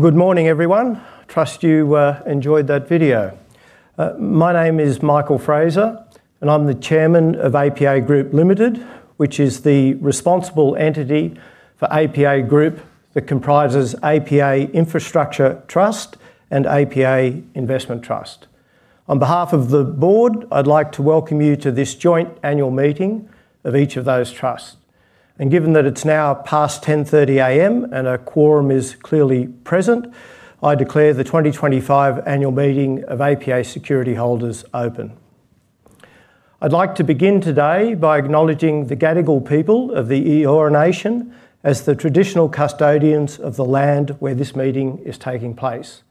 Good morning, everyone. I trust you enjoyed that video. My name is Michael Fraser, and I'm the Chairman of APA Group Ltd, which is the responsible entity for APA Group that comprises APA Infrastructure Trust and APA Investment Trust. On behalf of the Board, I'd like to welcome you to this joint annual meeting of each of those trusts. Given that it's now past 10:30 A.M. and a quorum is clearly present, I declare the 2025 annual meeting of APA Security Holders open. I'd like to begin today by acknowledging the Gadigal people of the Eora Nation as the traditional custodians of the land where this meeting is taking place.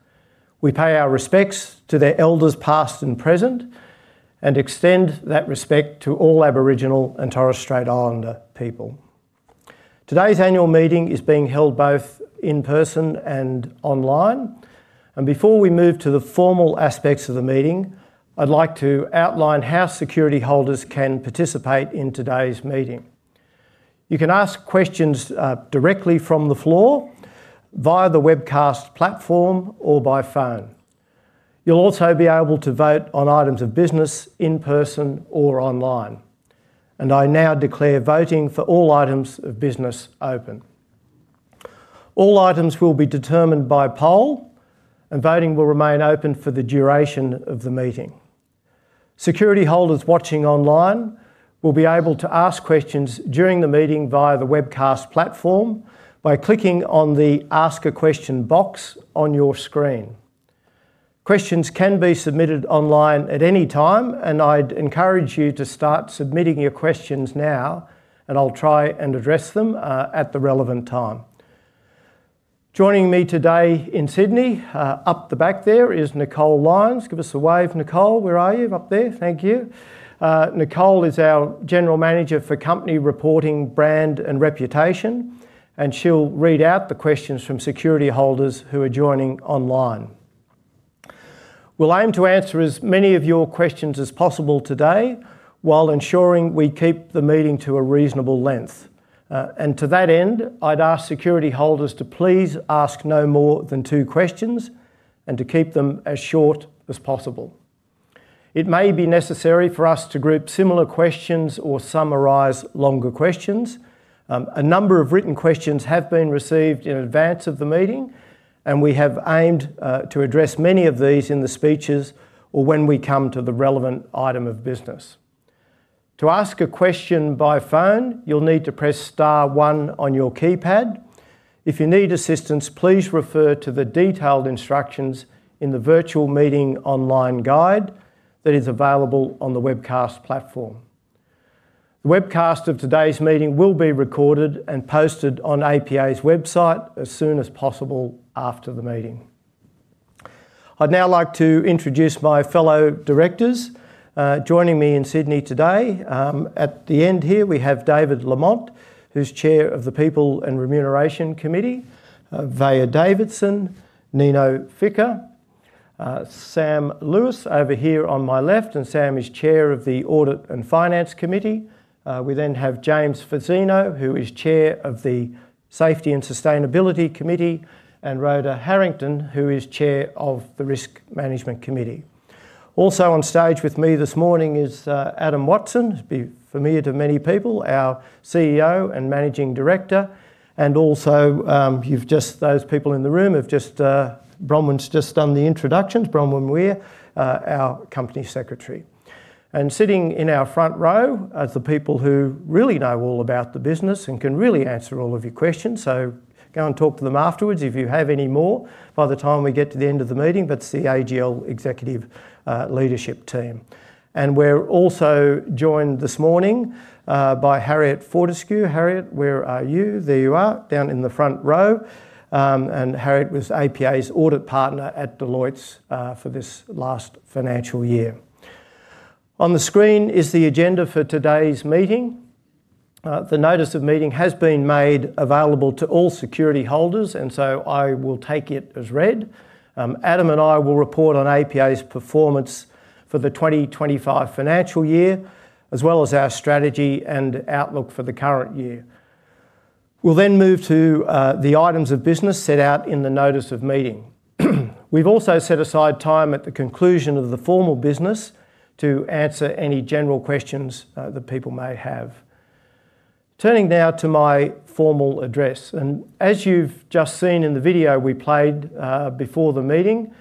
We pay our respects to their elders past and present and extend that respect to all Aboriginal and Torres Strait Islander people. Today's annual meeting is being held both in person and online. Before we move to the formal aspects of the meeting, I'd like to outline how security holders can participate in today's meeting. You can ask questions directly from the floor via the webcast platform or by phone. You'll also be able to vote on items of business in person or online. I now declare voting for all items of business open. All items will be determined by poll, and voting will remain open for the duration of the meeting. Security holders watching online will be able to ask questions during the meeting via the webcast platform by clicking on the Ask a Question box on your screen. Questions can be submitted online at any time, and I'd encourage you to start submitting your questions now, and I'll try and address them at the relevant time. Joining me today in Sydney, up the back there, is Nicole Lyons. Give us a wave, Nicole. Where are you? Up there. Thank you. Nicole is our General Manager for Company Reporting, Brand, and Reputation, and she'll read out the questions from security holders who are joining online. We'll aim to answer as many of your questions as possible today while ensuring we keep the meeting to a reasonable length. To that end, I'd ask security holders to please ask no more than two questions and to keep them as short as possible. It may be necessary for us to group similar questions or summarize longer questions. A number of written questions have been received in advance of the meeting, and we have aimed to address many of these in the speeches or when we come to the relevant item of business. To ask a question by phone, you'll need to press star one on your keypad. If you need assistance, please refer to the detailed instructions in the Virtual Meeting Online Guide that is available on the webcast platform. The webcast of today's meeting will be recorded and posted on APA's website as soon as possible after the meeting. I'd now like to introduce my fellow Directors joining me in Sydney today. At the end here, we have David Lamont, who's Chair of the People and Remuneration Committee, Vaya Davidson, Nino Ficca, Sam Lewis over here on my left, and Sam is Chair of the Audit and Finance Committee. We then have James Fazzino, who is Chair of the Safety and Sustainability Committee, and Rhoda Harrington, who is Chair of the Risk Management Committee. Also on stage with me this morning is Adam Watson, who will be familiar to many people, our CEO and Managing Director. Also, those people in the room have just, Bronwyn's just done the introductions. Bronwyn Weir, our Company Secretary. Sitting in our front row are the people who really know all about the business and can really answer all of your questions. Go and talk to them afterwards if you have any more by the time we get to the end of the meeting. That's the APA Executive Leadership Team. We're also joined this morning by Harriet Fortescue. Harriet, where are you? There you are, down in the front row. Harriet was APA's Audit Partner at Deloitte for this last financial year. On the screen is the agenda for today's meeting. The notice of meeting has been made available to all security holders, and I will take it as read. Adam and I will report on APA's performance for the 2025 financial year, as well as our strategy and outlook for the current year. We'll then move to the items of business set out in the notice of meeting. We've also set aside time at the conclusion of the formal business to answer any general questions that people may have. Turning now to my formal address. As you've just seen in the video we played before the meeting,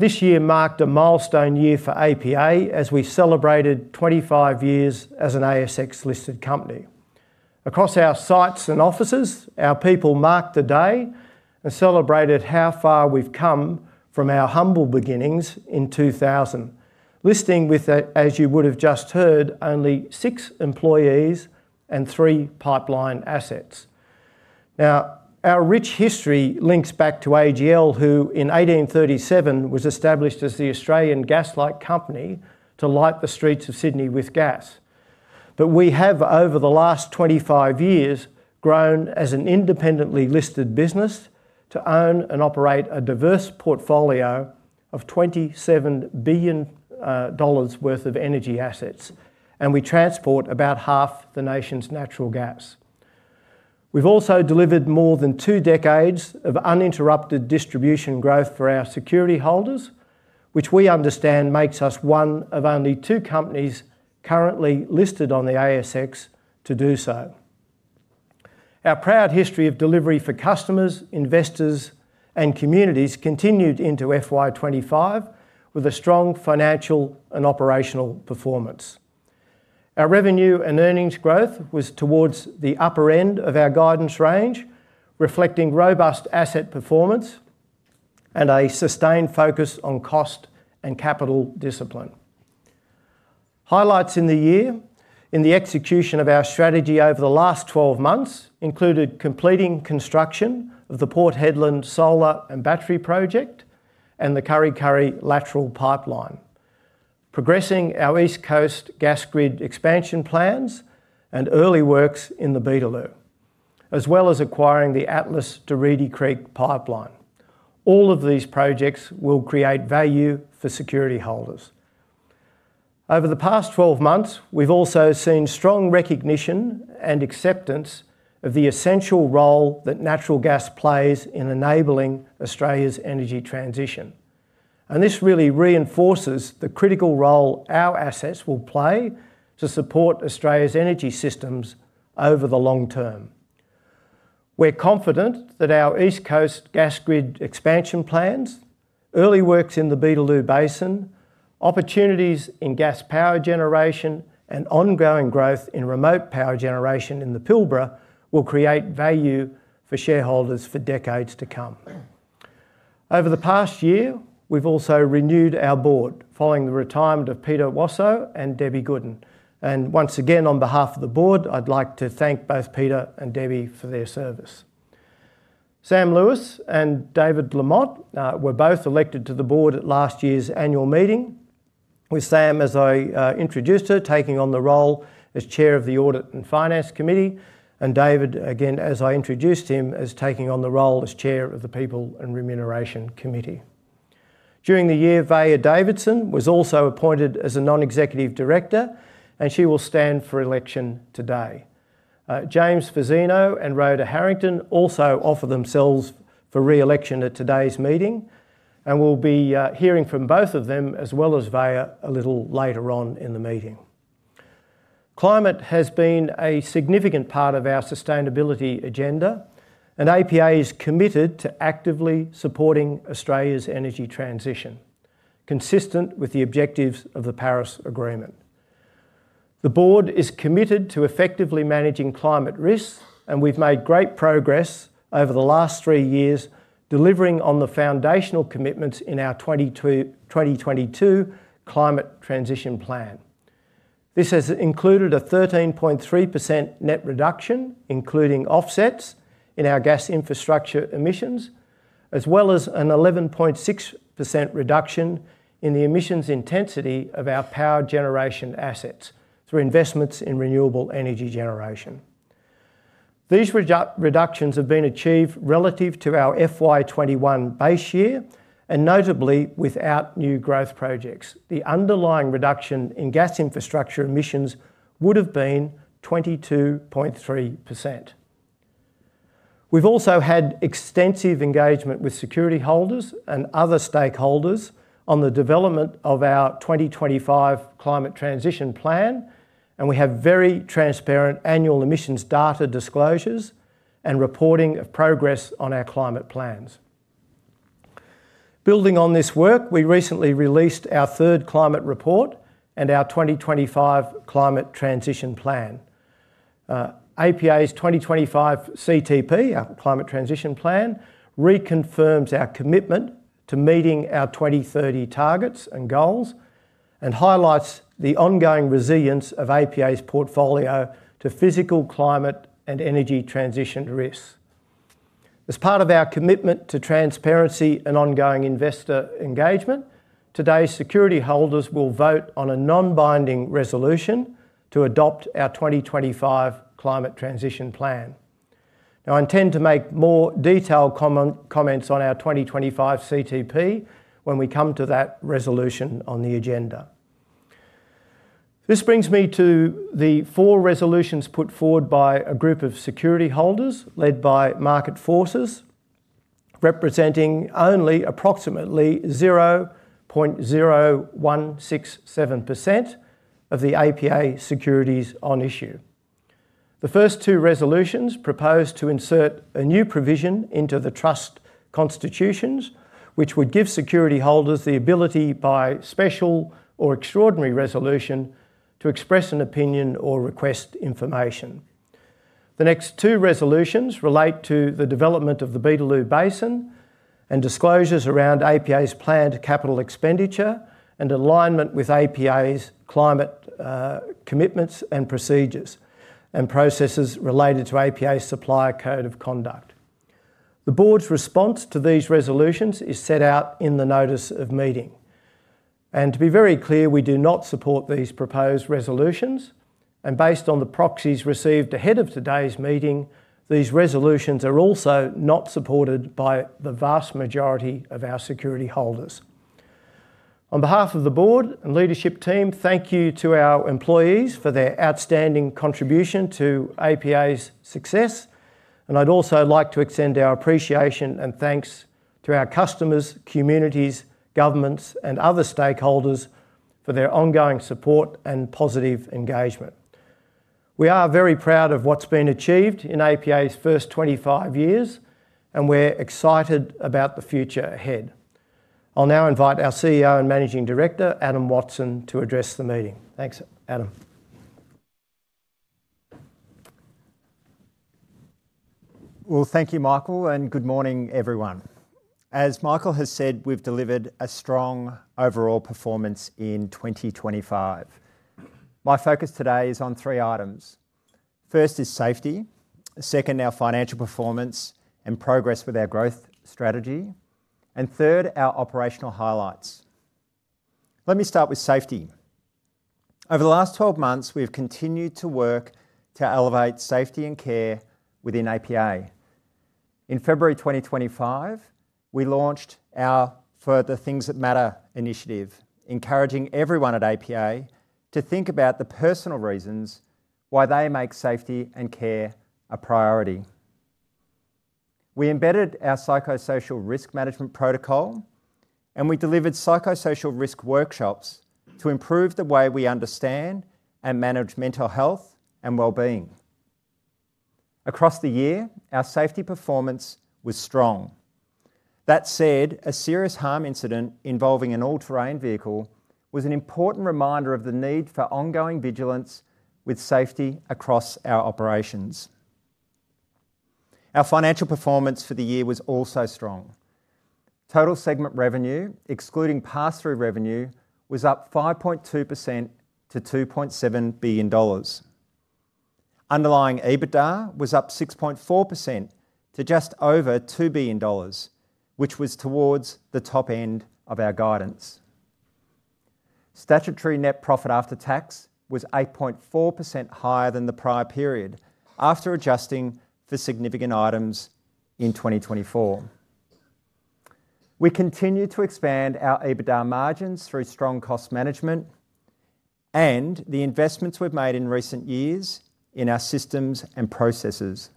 this year marked a milestone year for APA as we celebrated 25 years as an ASX-listed company. Across our sites and offices, our people marked the day and celebrated how far we've come from our humble beginnings in 2000, listing with, as you would have just heard, only six employees and three pipeline assets. Our rich history links back to AGL, who in 1837 was established as the Australian Gaslight Company to light the streets of Sydney with gas. Over the last 25 years, we have grown as an independently listed business to own and operate a diverse portfolio of $27 billion worth of energy assets. We transport about half the nation's natural gas. We've also delivered more than two decades of uninterrupted distribution growth for our security holders, which we understand makes us one of only two companies currently listed on the ASX to do so. Our proud history of delivery for customers, investors, and communities continued into FY 2025 with a strong financial and operational performance. Our revenue and earnings growth was towards the upper end of our guidance range, reflecting robust asset performance and a sustained focus on cost and capital discipline. Highlights in the year in the execution of our strategy over the last 12 months included completing construction of the Port Hedland Solar and Battery Project and the Kuri Kuri lateral pipeline, progressing our East Coast gas grid expansion plans and early works in the Beetaloo Basin, as well as acquiring the Atlas to Reedy Creek pipeline. All of these projects will create value for security holders. Over the past 12 months, we've also seen strong recognition and acceptance of the essential role that natural gas plays in enabling Australia's energy transition. This really reinforces the critical role our assets will play to support Australia's energy systems over the long term. We're confident that our East Coast gas grid expansion plans, early works in the Beetaloo Basin, opportunities in gas power generation, and ongoing growth in remote power generation in the Pilbara will create value for shareholders for decades to come. Over the past year, we've also renewed our Board following the retirement of Peter Wasow and Debra Goodin. Once again, on behalf of the Board, I'd like to thank both Peter and Debra for their service. Sam Lewis and David Lamont were both elected to the Board at last year's annual meeting, with Sam, as I introduced her, taking on the role as Chair of the Audit and Finance Committee, and David, again, as I introduced him, taking on the role as Chair of the People and Remuneration Committee. During the year, Varya Davidson was also appointed as a Non-Executive Director, and she will stand for election today. James Fazzino and Rhoda Harrington also offer themselves for reelection at today's meeting, and we'll be hearing from both of them, as well as Varya, a little later on in the meeting. Climate has been a significant part of our sustainability agenda, and APA is committed to actively supporting Australia's energy transition, consistent with the objectives of the Paris Agreement. The Board is committed to effectively managing climate risks, and we've made great progress over the last three years, delivering on the foundational commitments in our 2022 Climate Transition Plan. This has included a 13.3% net reduction, including offsets, in our gas infrastructure emissions, as well as an 11.6% reduction in the emissions intensity of our power generation assets through investments in renewable energy generation. These reductions have been achieved relative to our FY 2021 base year, and notably without new growth projects. The underlying reduction in gas infrastructure emissions would have been 22.3%. We've also had extensive engagement with security holders and other stakeholders on the development of our 2025 Climate Transition Plan, and we have very transparent annual emissions data disclosures and reporting of progress on our climate plans. Building on this work, we recently released our third climate report and our 2025 Climate Transition Plan. APA's 2025 CTP, our Climate Transition Plan, reconfirms our commitment to meeting our 2030 targets and goals and highlights the ongoing resilience of APA's portfolio to physical climate and energy transition risks. As part of our commitment to transparency and ongoing investor engagement, today's security holders will vote on a non-binding resolution to adopt our 2025 Climate Transition Plan. Now, I intend to make more detailed comments on our 2025 CTP when we come to that resolution on the agenda. This brings me to the four resolutions put forward by a group of security holders led by Market Forces, representing only approximately 0.0167% of the APA securities on issue. The first two resolutions propose to insert a new provision into the trust constitutions, which would give security holders the ability by special or extraordinary resolution to express an opinion or request information. The next two resolutions relate to the development of the Beetaloo Basin and disclosures around APA's planned capital expenditure and alignment with APA's climate commitments and procedures and processes related to APA's supplier code of conduct. The Board's response to these resolutions is set out in the notice of meeting. To be very clear, we do not support these proposed resolutions. Based on the proxies received ahead of today's meeting, these resolutions are also not supported by the vast majority of our security holders. On behalf of the Board and leadership team, thank you to our employees for their outstanding contribution to APA's success. I'd also like to extend our appreciation and thanks to our customers, communities, governments, and other stakeholders for their ongoing support and positive engagement. We are very proud of what's been achieved in APA's first 25 years, and we're excited about the future ahead. I'll now invite our CEO and Managing Director, Adam Watson, to address the meeting. Thanks, Adam. Thank you, Michael, and good morning, everyone. As Michael has said, we've delivered a strong overall performance in 2025. My focus today is on three items. First is safety. Second, our financial performance and progress with our growth strategy. Third, our operational highlights. Let me start with safety. Over the last 12 months, we've continued to work to elevate safety and care within APA. In February 2025, we launched our Further Things That Matter initiative, encouraging everyone at APA to think about the personal reasons why they make safety and care a priority. We embedded our psychosocial risk management protocol, and we delivered psychosocial risk workshops to improve the way we understand and manage mental health and well-being. Across the year, our safety performance was strong. That said, a serious harm incident involving an all-terrain vehicle was an important reminder of the need for ongoing vigilance with safety across our operations. Our financial performance for the year was also strong. Total segment revenue, excluding pass-through revenue, was up 5.2% to $2.7 billion. Underlying EBITDA was up 6.4% to just over $2 billion, which was towards the top end of our guidance. Statutory net profit after tax was 8.4% higher than the prior period after adjusting for significant items in 2024. We continue to expand our EBITDA margins through strong cost management and the investments we've made in recent years in our systems and processes.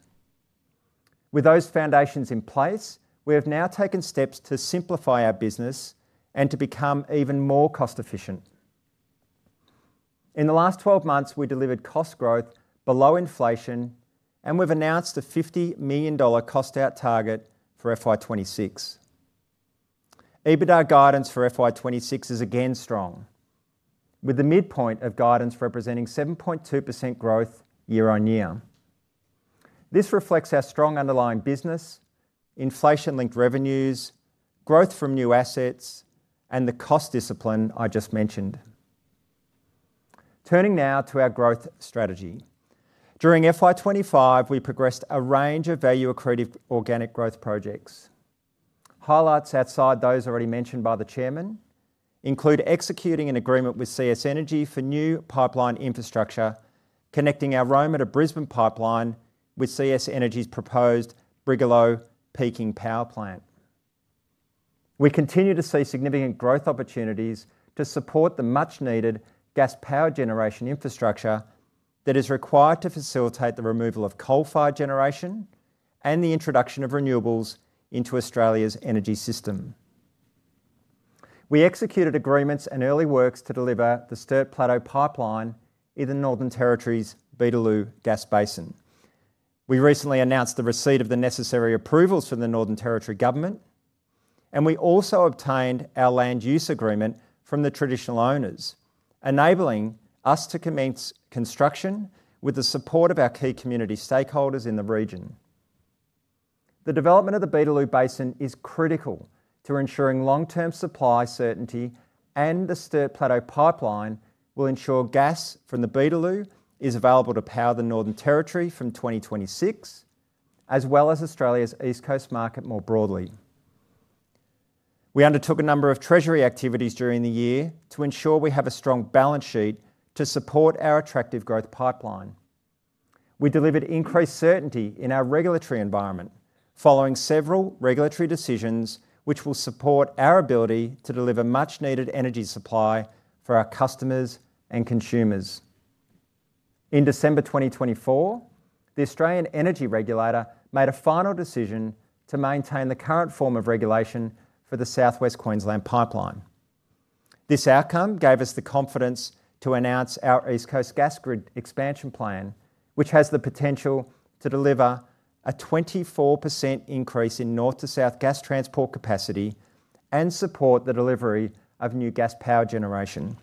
With those foundations in place, we have now taken steps to simplify our business and to become even more cost-efficient. In the last 12 months, we delivered cost growth below inflation, and we've announced a $50 million cost-out target for FY 2026. EBITDA guidance for FY 2026 is again strong, with the midpoint of guidance representing 7.2% growth year on year. This reflects our strong underlying business, inflation-linked revenues, growth from new assets, and the cost discipline I just mentioned. Turning now to our growth strategy. During FY 2025, we progressed a range of value-accretive organic growth projects. Highlights outside those already mentioned by the Chairman include executing an agreement with CS Energy for new pipeline infrastructure, connecting our Rome-to-Brisbane pipeline with CS Energy's proposed Brigalow Peaking Power Plant. We continue to see significant growth opportunities to support the much-needed gas power generation infrastructure that is required to facilitate the removal of coal-fired generation and the introduction of renewables into Australia's energy system. We executed agreements and early works to deliver the Sturt Plateau pipeline in the Northern Territory's Beetaloo Basin. We recently announced the receipt of the necessary approvals from the Northern Territory Government, and we also obtained our land use agreement from the traditional owners, enabling us to commence construction with the support of our key community stakeholders in the region. The development of the Beetaloo Basin is critical to ensuring long-term supply certainty, and the Sturt Plateau pipeline will ensure gas from the Beetaloo is available to power the Northern Territory from 2026, as well as Australia's East Coast market more broadly. We undertook a number of treasury activities during the year to ensure we have a strong balance sheet to support our attractive growth pipeline. We delivered increased certainty in our regulatory environment following several regulatory decisions, which will support our ability to deliver much-needed energy supply for our customers and consumers. In December 2024, the Australian Energy Regulator made a final decision to maintain the current form of regulation for the Southwest Queensland pipeline. This outcome gave us the confidence to announce our East Coast gas grid expansion plan, which has the potential to deliver a 24% increase in north-to-south gas transport capacity and support the delivery of new gas power generation.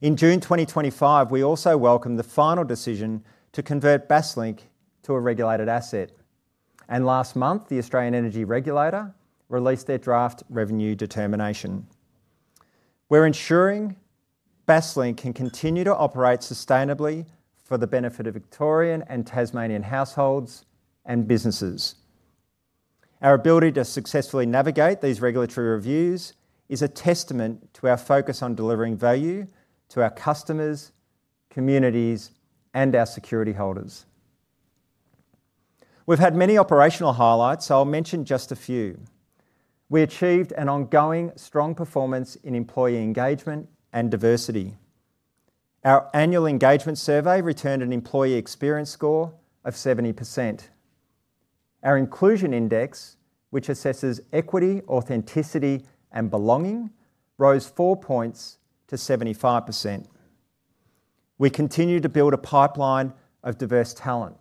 In June 2025, we also welcomed the final decision to convert Baselink to a regulated asset. Last month, the Australian Energy Regulator released their draft revenue determination. We're ensuring Baselink can continue to operate sustainably for the benefit of Victorian and Tasmanian households and businesses. Our ability to successfully navigate these regulatory reviews is a testament to our focus on delivering value to our customers, communities, and our security holders. We've had many operational highlights, so I'll mention just a few. We achieved an ongoing strong performance in employee engagement and diversity. Our annual engagement survey returned an employee experience score of 70%. Our inclusion index, which assesses equity, authenticity, and belonging, rose four points to 75%. We continue to build a pipeline of diverse talent,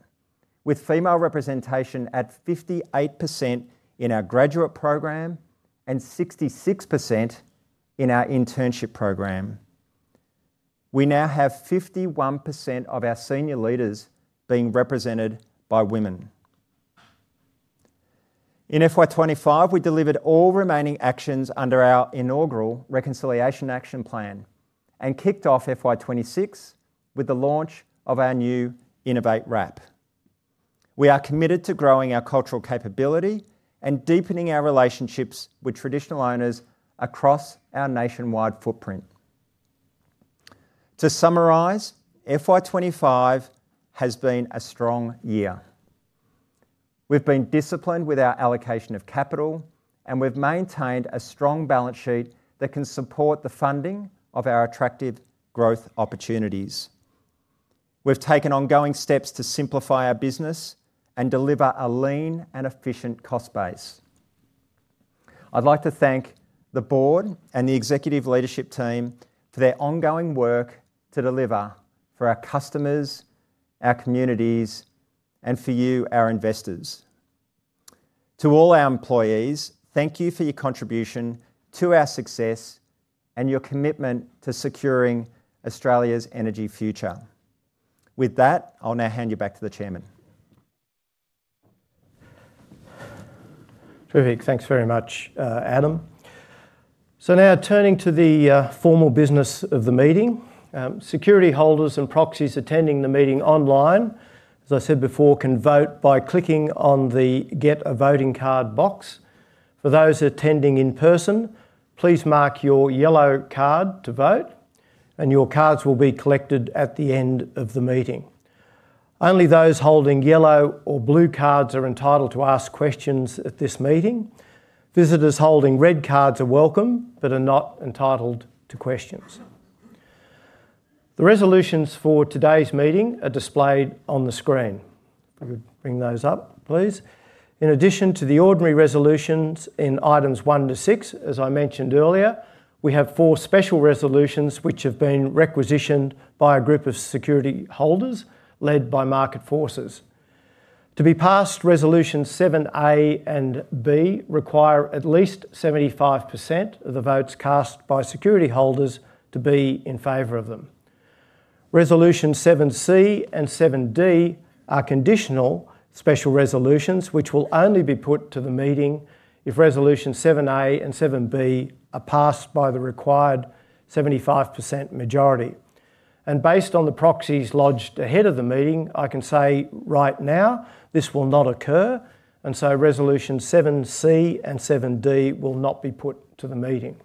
with female representation at 58% in our graduate program and 66% in our internship program. We now have 51% of our senior leaders being represented by women. In FY 2025, we delivered all remaining actions under our inaugural Reconciliation Action Plan and kicked off FY 2026 with the launch of our new Innovate RAP. We are committed to growing our cultural capability and deepening our relationships with traditional owners across our nationwide footprint. To summarize, FY 2025 has been a strong year. We've been disciplined with our allocation of capital, and we've maintained a strong balance sheet that can support the funding of our attractive growth opportunities. We've taken ongoing steps to simplify our business and deliver a lean and efficient cost base. I'd like to thank the Board and the Executive Leadership Team for their ongoing work to deliver for our customers, our communities, and for you, our investors. To all our employees, thank you for your contribution to our success and your commitment to securing Australia's energy future. With that, I'll now hand you back to the Chairman. Terrific. Thanks very much, Adam. Now turning to the formal business of the meeting, security holders and proxies attending the meeting online, as I said before, can vote by clicking on the Get a Voting Card box. For those attending in person, please mark your yellow card to vote, and your cards will be collected at the end of the meeting. Only those holding yellow or blue cards are entitled to ask questions at this meeting. Visitors holding red cards are welcome but are not entitled to questions. The resolutions for today's meeting are displayed on the screen. If you could bring those up, please. In addition to the ordinary resolutions in items 1 to 6, as I mentioned earlier, we have four special resolutions which have been requisitioned by a group of security holders led by Market Forces. To be passed, Resolutions 7A and 7B require at least 75% of the votes cast by security holders to be in favor of them. Resolutions 7C and 7D are conditional special resolutions which will only be put to the meeting if Resolutions 7A and 7B are passed by the required 75% majority. Based on the proxies lodged ahead of the meeting, I can say right now this will not occur, and Resolutions 7C and 7D will not be put to the meeting.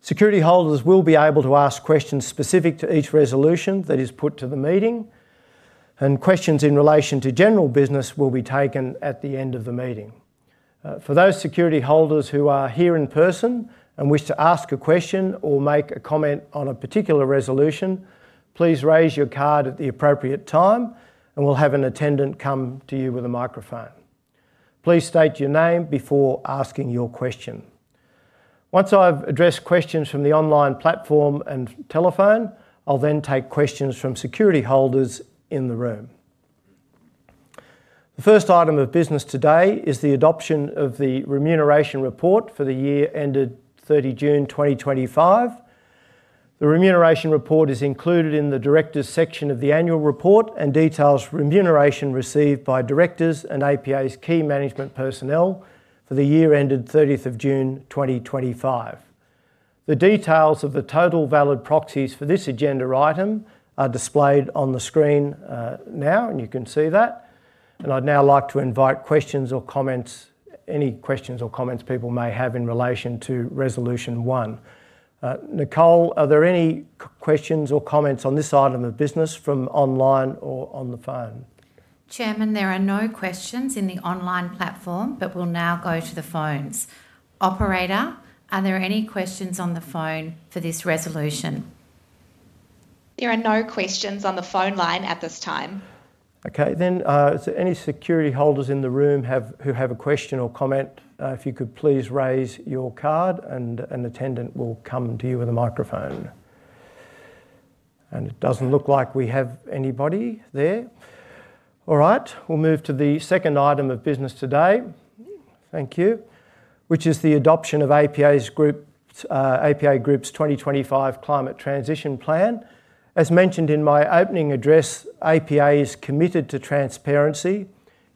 Security holders will be able to ask questions specific to each resolution that is put to the meeting, and questions in relation to general business will be taken at the end of the meeting. For those security holders who are here in person and wish to ask a question or make a comment on a particular resolution, please raise your card at the appropriate time, and we'll have an attendant come to you with a microphone. Please state your name before asking your question. Once I've addressed questions from the online platform and telephone, I'll then take questions from security holders in the room. The first item of business today is the adoption of the Remuneration Report for the year ended 30 June 2025. The Remuneration Report is included in the Directors' section of the annual report and details remuneration received by directors and APA's key management personnel for the year ended 30 June 2025. The details of the total valid proxies for this agenda item are displayed on the screen now, and you can see that. I'd now like to invite questions or comments, any questions or comments people may have in relation to Resolution 1. Nicole, are there any questions or comments on this item of business from online or on the phone? Chairman, there are no questions in the online platform. We'll now go to the phones. Operator, are there any questions on the phone for this resolution? There are no questions on the phone line at this time. Okay. Is there any security holders in the room who have a question or comment? If you could please raise your card, an attendant will come to you with a microphone. It doesn't look like we have anybody there. All right, we'll move to the second item of business today, which is the adoption of APA Group's 2025 Climate Transition Plan. As mentioned in my opening address, APA is committed to transparency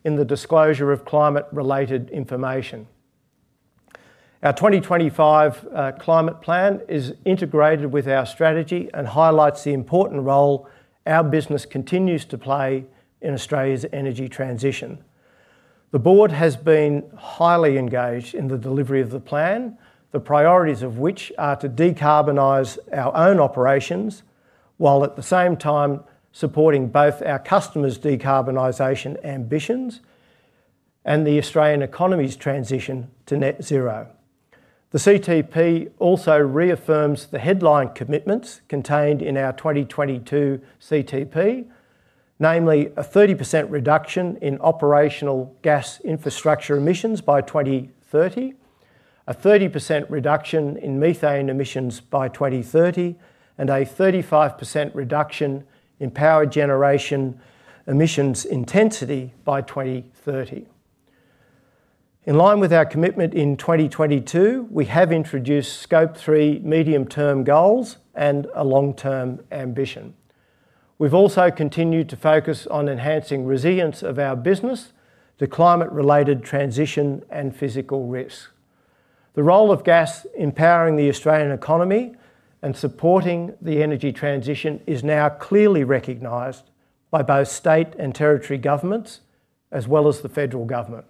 in the disclosure of climate-related information. Our 2025 Climate Plan is integrated with our strategy and highlights the important role our business continues to play in Australia's energy transition. The Board has been highly engaged in the delivery of the plan, the priorities of which are to decarbonize our own operations, while at the same time supporting both our customers' decarbonization ambitions and the Australian economy's transition to net zero. The CTP also reaffirms the headline commitments contained in our 2022 CTP, namely a 30% reduction in operational gas infrastructure emissions by 2030, a 30% reduction in methane emissions by 2030, and a 35% reduction in power generation emissions intensity by 2030. In line with our commitment in 2022, we have introduced Scope 3 medium-term goals and a long-term ambition. We've also continued to focus on enhancing resilience of our business to climate-related transition and physical risk. The role of gas in powering the Australian economy and supporting the energy transition is now clearly recognized by both state and territory governments, as well as the federal government.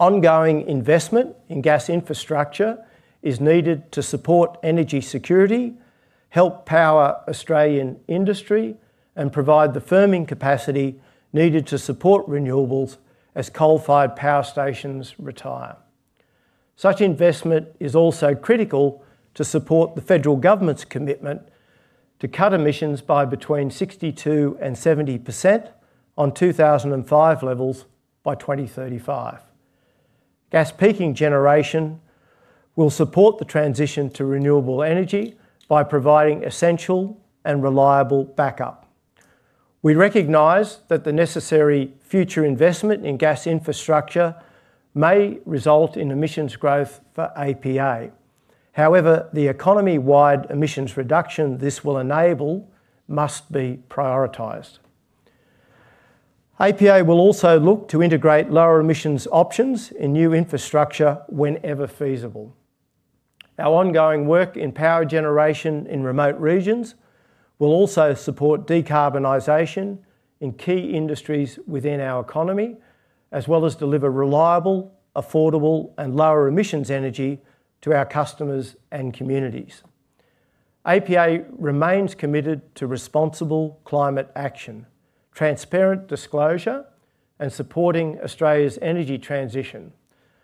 Ongoing investment in gas infrastructure is needed to support energy security, help power Australian industry, and provide the firming capacity needed to support renewables as coal-fired power stations retire. Such investment is also critical to support the federal government's commitment to cut emissions by between 62% and 70% on 2005 levels by 2035. Gas peaking generation will support the transition to renewable energy by providing essential and reliable backup. We recognize that the necessary future investment in gas infrastructure may result in emissions growth for APA. However, the economy-wide emissions reduction this will enable must be prioritized. APA will also look to integrate lower emissions options in new infrastructure whenever feasible. Our ongoing work in power generation in remote regions will also support decarbonization in key industries within our economy, as well as deliver reliable, affordable, and lower emissions energy to our customers and communities. APA remains committed to responsible climate action, transparent disclosure, and supporting Australia's energy transition.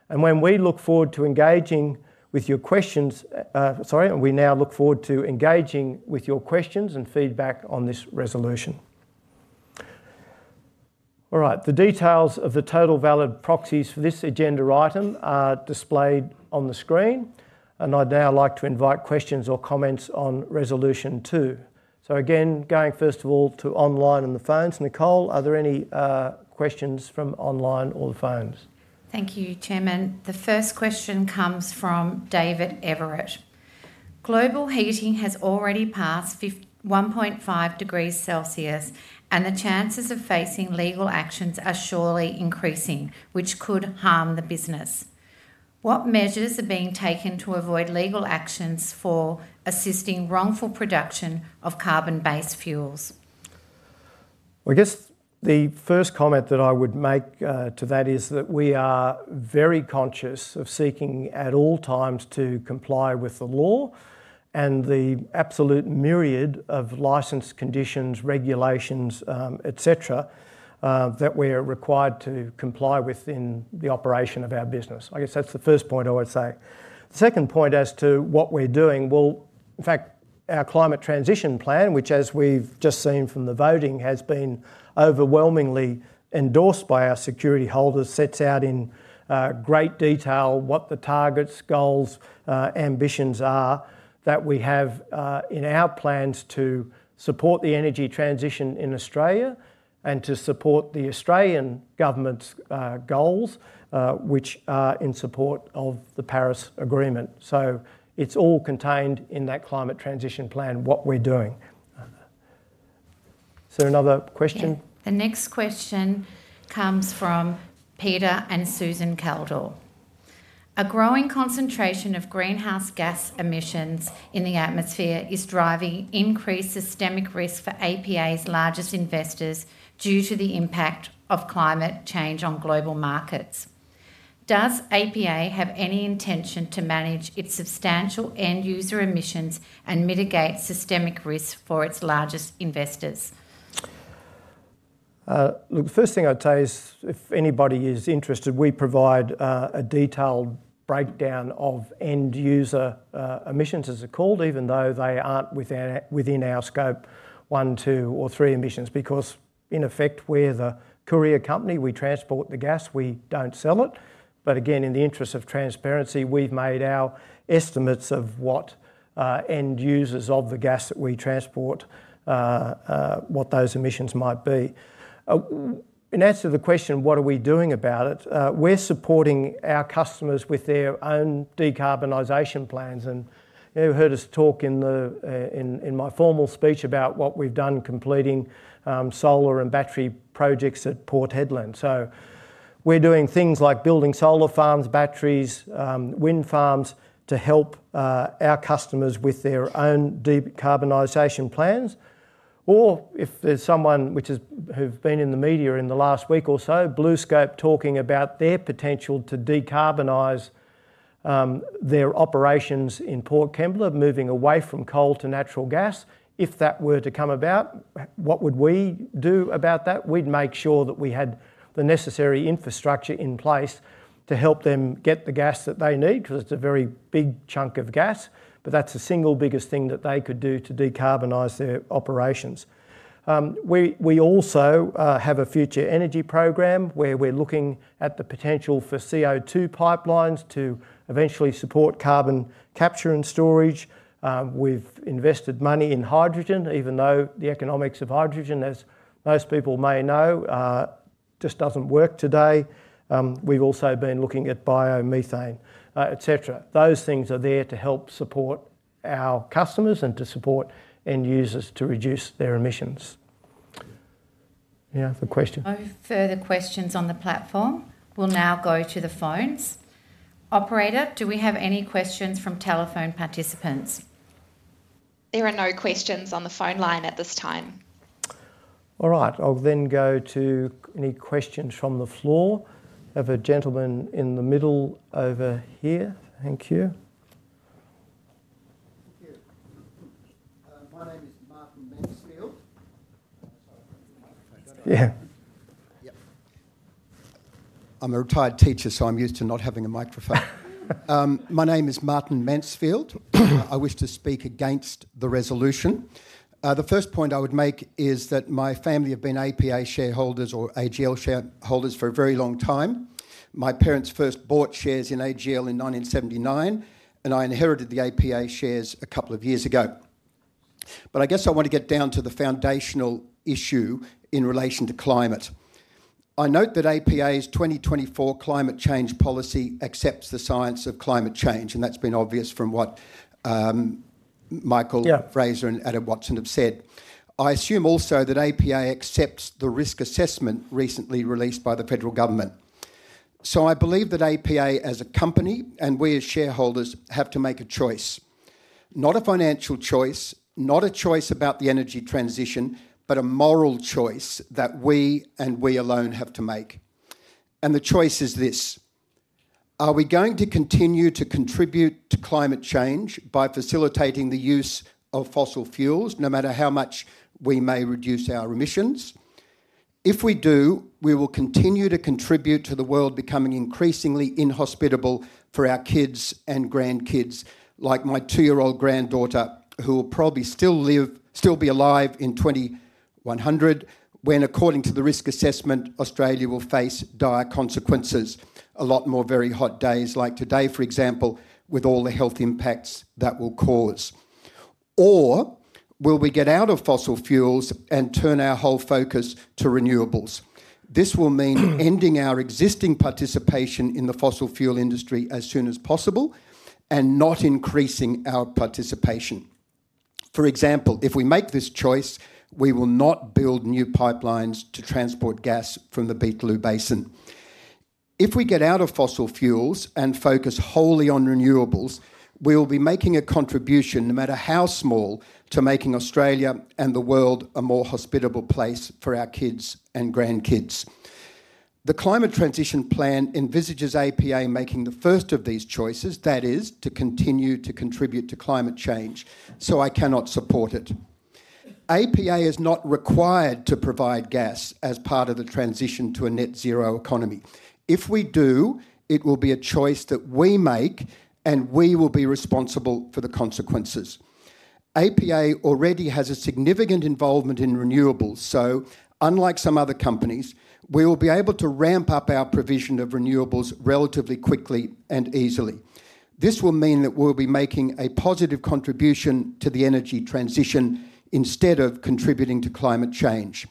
We now look forward to engaging with your questions and feedback on this resolution. The details of the total valid proxies for this agenda item are displayed on the screen, and I'd now like to invite questions or comments on Resolution 2. Again, going first of all to online and the phones. Nicole, are there any questions from online or the phones? Thank you, Chairman. The first question comes from David Everett. Global heating has already passed 1.5 degrees Celsius, and the chances of facing legal actions are surely increasing, which could harm the business. What measures are being taken to avoid legal actions for assisting wrongful production of carbon-based fuels? The first comment that I would make to that is that we are very conscious of seeking at all times to comply with the law and the absolute myriad of license conditions, regulations, et cetera, that we're required to comply with in the operation of our business. That's the first point I would say. The second point as to what we're doing, in fact, our Climate Transition Plan, which, as we've just seen from the voting, has been overwhelmingly endorsed by our security holders, sets out in great detail what the targets, goals, and ambitions are that we have in our plans to support the energy transition in Australia and to support the Australian government's goals, which are in support of the Paris Agreement. It's all contained in that Climate Transition Plan what we're doing. Is there another question? The next question comes from Peter and Susan Keldore. A growing concentration of greenhouse gas emissions in the atmosphere is driving increased systemic risk for APA's largest investors due to the impact of climate change on global markets. Does APA have any intention to manage its substantial end-user emissions and mitigate systemic risk for its largest investors? Look, the first thing I'd say is if anybody is interested, we provide a detailed breakdown of end-user emissions, as it's called, even though they aren't within our Scope 1, 2, or 3 emissions because, in effect, we're the courier company. We transport the gas. We don't sell it. In the interest of transparency, we've made our estimates of what end users of the gas that we transport, what those emissions might be. In answer to the question, what are we doing about it, we're supporting our customers with their own decarbonization plans. You heard us talk in my formal speech about what we've done completing solar and battery projects at Port Hedland. We're doing things like building solar farms, batteries, wind farms to help our customers with their own decarbonization plans. If there's someone who's been in the media in the last week or so, BlueScope talking about their potential to decarbonize their operations in Port Kembla, moving away from coal to natural gas. If that were to come about, what would we do about that? We'd make sure that we had the necessary infrastructure in place to help them get the gas that they need because it's a very big chunk of gas. That's the single biggest thing that they could do to decarbonize their operations. We also have a future energy program where we're looking at the potential for CO2 pipelines to eventually support carbon capture and storage. We've invested money in hydrogen, even though the economics of hydrogen, as most people may know, just doesn't work today. We've also been looking at biomethane, et cetera. Those things are there to help support our customers and to support end users to reduce their emissions. Any other questions? No further questions on the platform. We'll now go to the phones. Operator, do we have any questions from telephone participants? There are no questions on the phone line at this time. All right. I'll then go to any questions from the floor. We have a gentleman in the middle over here. Thank you. My name is Martin Mansfield. Yeah. Yep.I'm a retired teacher, so I'm used to not having a microphone. My name is Martin Mansfield. I wish to speak against the resolution. The first point I would make is that my family have been APA shareholders or AGL shareholders for a very long time. My parents first bought shares in AGL in 1979, and I inherited the APA shares a couple of years ago. I want to get down to the foundational issue in relation to climate. I note that APA's 2024 Climate Change Policy accepts the science of climate change, and that's been obvious from what Michael Fraser and Adam Watson have said. I assume also that APA accepts the risk assessment recently released by the federal government. I believe that APA, as a company, and we as shareholders, have to make a choice. Not a financial choice, not a choice about the energy transition, but a moral choice that we and we alone have to make. The choice is this: are we going to continue to contribute to climate change by facilitating the use of fossil fuels, no matter how much we may reduce our emissions? If we do, we will continue to contribute to the world becoming increasingly inhospitable for our kids and grandkids, like my two-year-old granddaughter, who will probably still be alive in 2100, when, according to the risk assessment, Australia will face dire consequences, a lot more very hot days like today, for example, with all the health impacts that will cause. Will we get out of fossil fuels and turn our whole focus to renewables? This will mean ending our existing participation in the fossil fuel industry as soon as possible and not increasing our participation. For example, if we make this choice, we will not build new pipelines to transport gas from the Beetaloo Basin. If we get out of fossil fuels and focus wholly on renewables, we will be making a contribution, no matter how small, to making Australia and the world a more hospitable place for our kids and grandkids. The Climate Transition Plan envisages APA making the first of these choices, that is, to continue to contribute to climate change, so I cannot support it. APA is not required to provide gas as part of the transition to a net zero economy. If we do, it will be a choice that we make, and we will be responsible for the consequences. APA already has a significant involvement in renewables, so unlike some other companies, we will be able to ramp up our provision of renewables relatively quickly and easily. This will mean that we'll be making a positive contribution to the energy transition instead of contributing to climate change.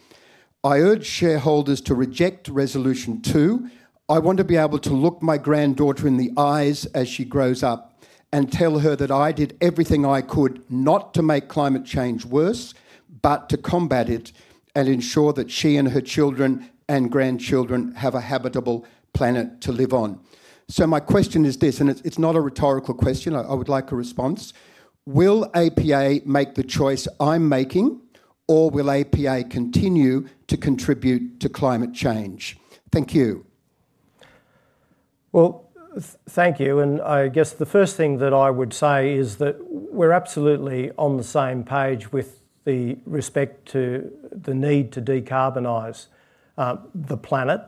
I urge shareholders to reject Resolution 2. I want to be able to look my granddaughter in the eyes as she grows up and tell her that I did everything I could not to make climate change worse, but to combat it and ensure that she and her children and grandchildren have a habitable planet to live on. My question is this, and it's not a rhetorical question. I would like a response. Will APA make the choice I'm making, or will APA continue to contribute to climate change? Thank you. Thank you. The first thing that I would say is that we're absolutely on the same page with respect to the need to decarbonize the planet,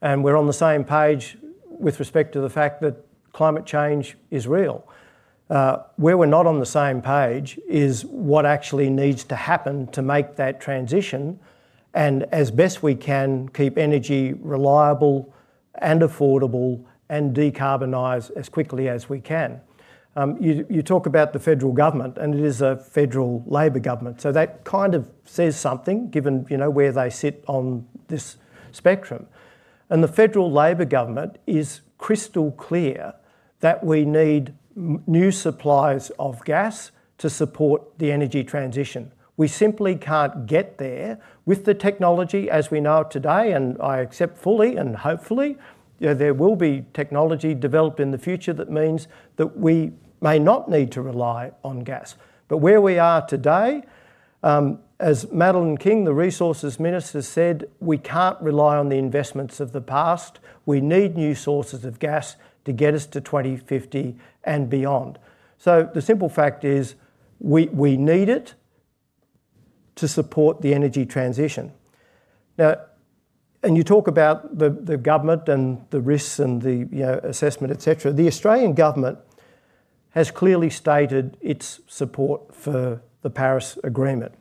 and we're on the same page with respect to the fact that climate change is real. Where we're not on the same page is what actually needs to happen to make that transition and, as best we can, keep energy reliable and affordable and decarbonize as quickly as we can. You talk about the federal government, and it is a federal Labor government, so that kind of says something given where they sit on this spectrum. The federal Labor government is crystal clear that we need new supplies of gas to support the energy transition. We simply can't get there with the technology as we know it today, and I accept fully and hopefully there will be technology developed in the future that means that we may not need to rely on gas. Where we are today, as Madeline King, the Resources Minister, said, we can't rely on the investments of the past. We need new sources of gas to get us to 2050 and beyond. The simple fact is we need it to support the energy transition. You talk about the government and the risks and the assessment, etc. The Australian government has clearly stated its support for the Paris Agreement,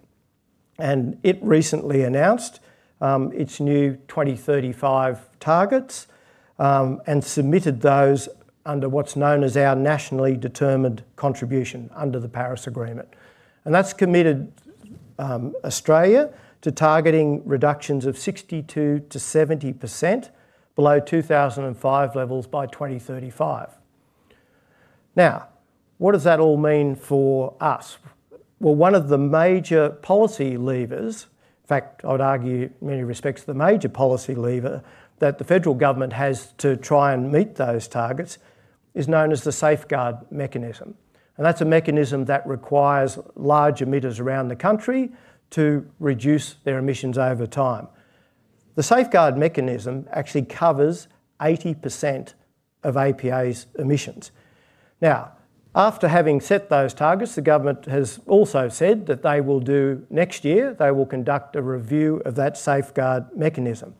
and it recently announced its new 2035 targets and submitted those under what's known as our nationally determined contribution under the Paris Agreement. That's committed Australia to targeting reductions of 62%-70% below 2005 levels by 2035. What does that all mean for us? One of the major policy levers, in fact, I would argue in many respects the major policy lever that the federal government has to try and meet those targets is known as the Safeguard Mechanism. That's a mechanism that requires large emitters around the country to reduce their emissions over time. The Safeguard Mechanism actually covers 80% of APA's emissions. After having set those targets, the government has also said that next year, they will conduct a review of that Safeguard Mechanism.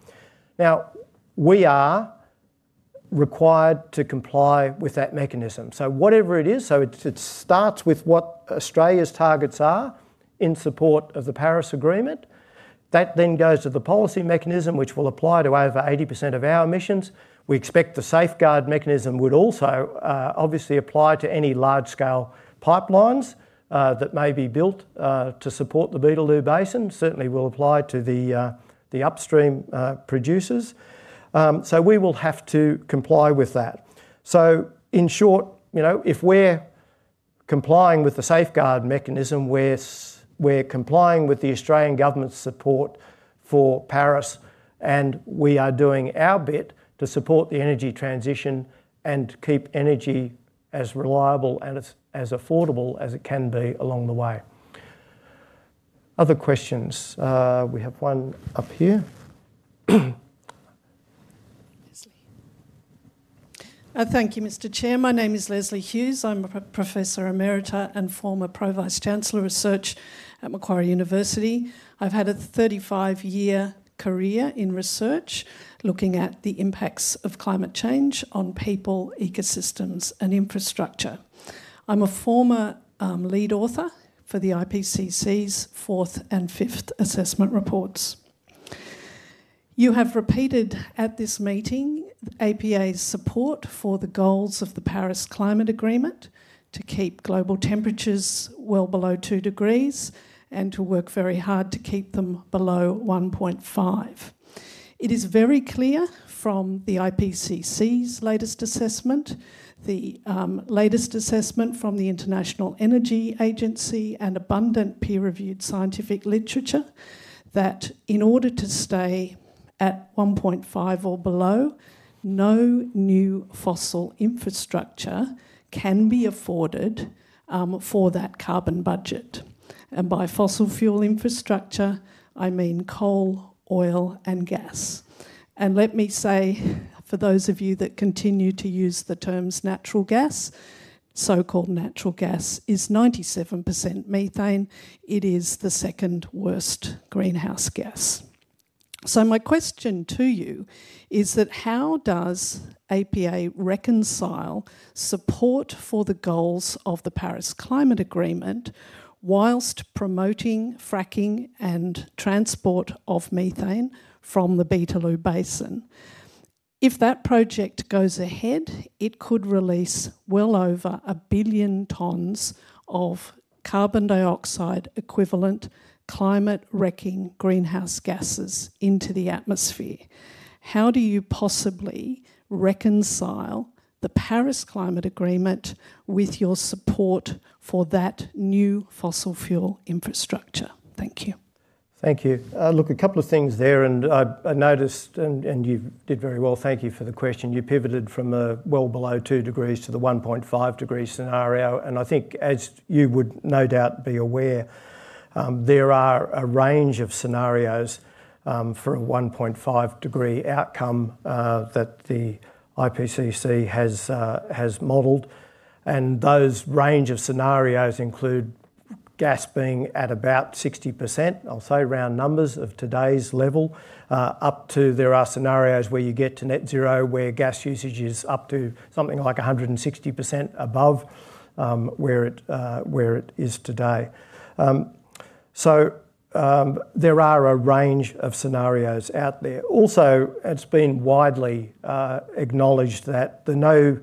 We are required to comply with that mechanism. Whatever it is, it starts with what Australia's targets are in support of the Paris Agreement. That then goes to the policy mechanism, which will apply to over 80% of our emissions. We expect the Safeguard Mechanism would also obviously apply to any large-scale pipelines that may be built to support the Beetaloo Basin. Certainly, it will apply to the upstream producers. We will have to comply with that. In short, if we're complying with the Safeguard Mechanism, we're complying with the Australian government's support for Paris, and we are doing our bit to support the energy transition and keep energy as reliable and as affordable as it can be along the way. Other questions? We have one up here. Thank you, Mr. Chair. My name is Leslie Hughes. I'm a Professor Emerita and former Pro Vice Chancellor of Research at Macquarie University. I've had a 35-year career in research looking at the impacts of climate change on people, ecosystems, and infrastructure. I'm a former lead author for the IPCC's fourth and fifth assessment reports. You have repeated at this meeting APA's support for the goals of the Paris Climate Agreement to keep global temperatures well below 2 degrees and to work very hard to keep them below 1.5. It is very clear from the IPCC's latest assessment, the latest assessment from the International Energy Agency, and abundant peer-reviewed scientific literature that in order to stay at 1.5 or below, no new fossil infrastructure can be afforded for that carbon budget. By fossil fuel infrastructure, I mean coal, oil, and gas. Let me say, for those of you that continue to use the terms natural gas, so-called natural gas is 97% methane. It is the second worst greenhouse gas. My question to you is that how does APA reconcile support for the goals of the Paris Climate Agreement whilst promoting fracking and transport of methane from the Beetaloo Basin? If that project goes ahead, it could release well over a billion tons of carbon dioxide equivalent climate-wrecking greenhouse gases into the atmosphere. How do you possibly reconcile the Paris Climate Agreement with your support for that new fossil fuel infrastructure? Thank you. Thank you. Look, a couple of things there, and I noticed, and you did very well, thank you for the question. You pivoted from a well below 2 degrees to the 1.5 degree scenario. I think, as you would no doubt be aware, there are a range of scenarios for a 1.5 degree outcome that the IPCC has modeled. Those range of scenarios include gas being at about 60%, I'll say, round numbers of today's level, up to there are scenarios where you get to net zero, where gas usage is up to something like 160% above where it is today. There are a range of scenarios out there. Also, it's been widely acknowledged that the no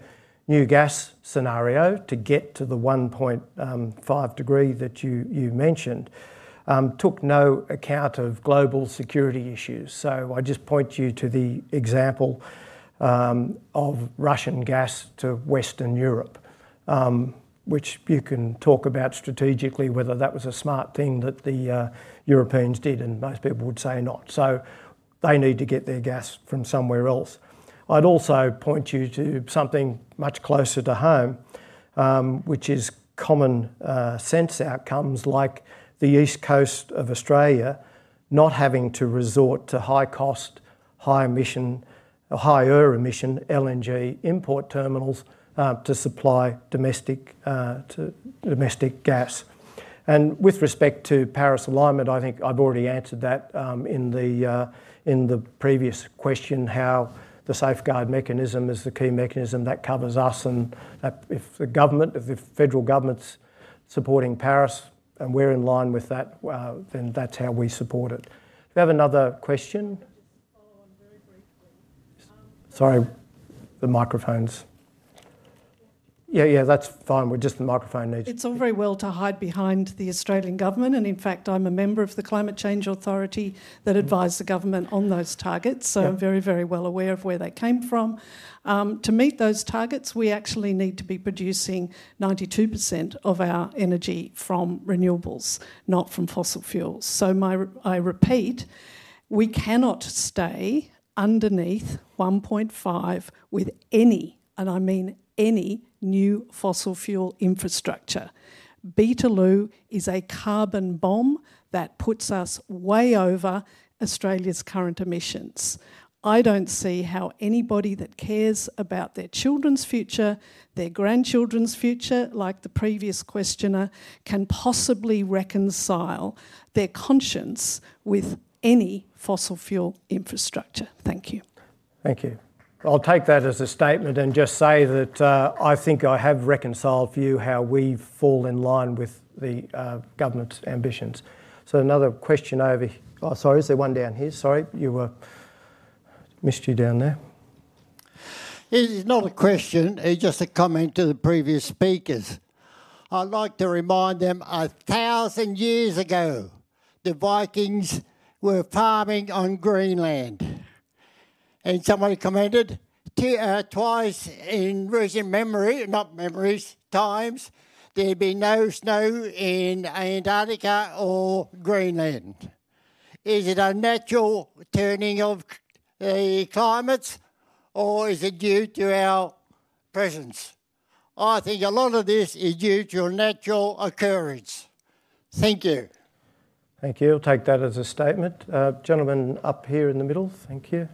new gas scenario to get to the 1.5 degree that you mentioned took no account of global security issues. I just point you to the example of Russian gas to Western Europe, which you can talk about strategically, whether that was a smart thing that the Europeans did, and most people would say not. They need to get their gas from somewhere else. I'd also point you to something much closer to home, which is common sense outcomes, like the East Coast of Australia not having to resort to high-cost, higher emission LNG import terminals to supply domestic gas. With respect to Paris alignment, I think I've already answered that in the previous question, how the Safeguard Mechanism is the key mechanism that covers us. If the government, if the federal government's supporting Paris, and we're in line with that, then that's how we support it. Do you have another question? Just to follow on very briefly. Sorry, the microphones. Yeah. Yeah, that's fine. The microphone needs. It's all very well to hide behind the Australian government. In fact, I'm a member of the Climate Change Authority that advised the government on those targets. I'm very, very well aware of where they came from. To meet those targets, we actually need to be producing 92% of our energy from renewables, not from fossil fuels. I repeat, we cannot stay underneath 1.5 with any, and I mean any, new fossil fuel infrastructure. Beetaloo is a carbon bomb that puts us way over Australia's current emissions. I don't see how anybody that cares about their children's future, their grandchildren's future, like the previous questioner, can possibly reconcile their conscience with any fossil fuel infrastructure. Thank you. Thank you. I'll take that as a statement and just say that I think I have reconciled for you how we fall in line with the government's ambitions. Another question over here. Sorry, is there one down here? Sorry, we missed you down there. It's not a question. It's just a comment to the previous speakers. I'd like to remind them a thousand years ago, the Vikings were farming on Greenland. Somebody commented twice in recent memory, not memories, times, there'd be no snow in Antarctica or Greenland. Is it a natural turning of the climates, or is it due to our presence? I think a lot of this is due to a natural occurrence. Thank you. Thank you. I'll take that as a statement. Gentleman up here in the middle, thank you.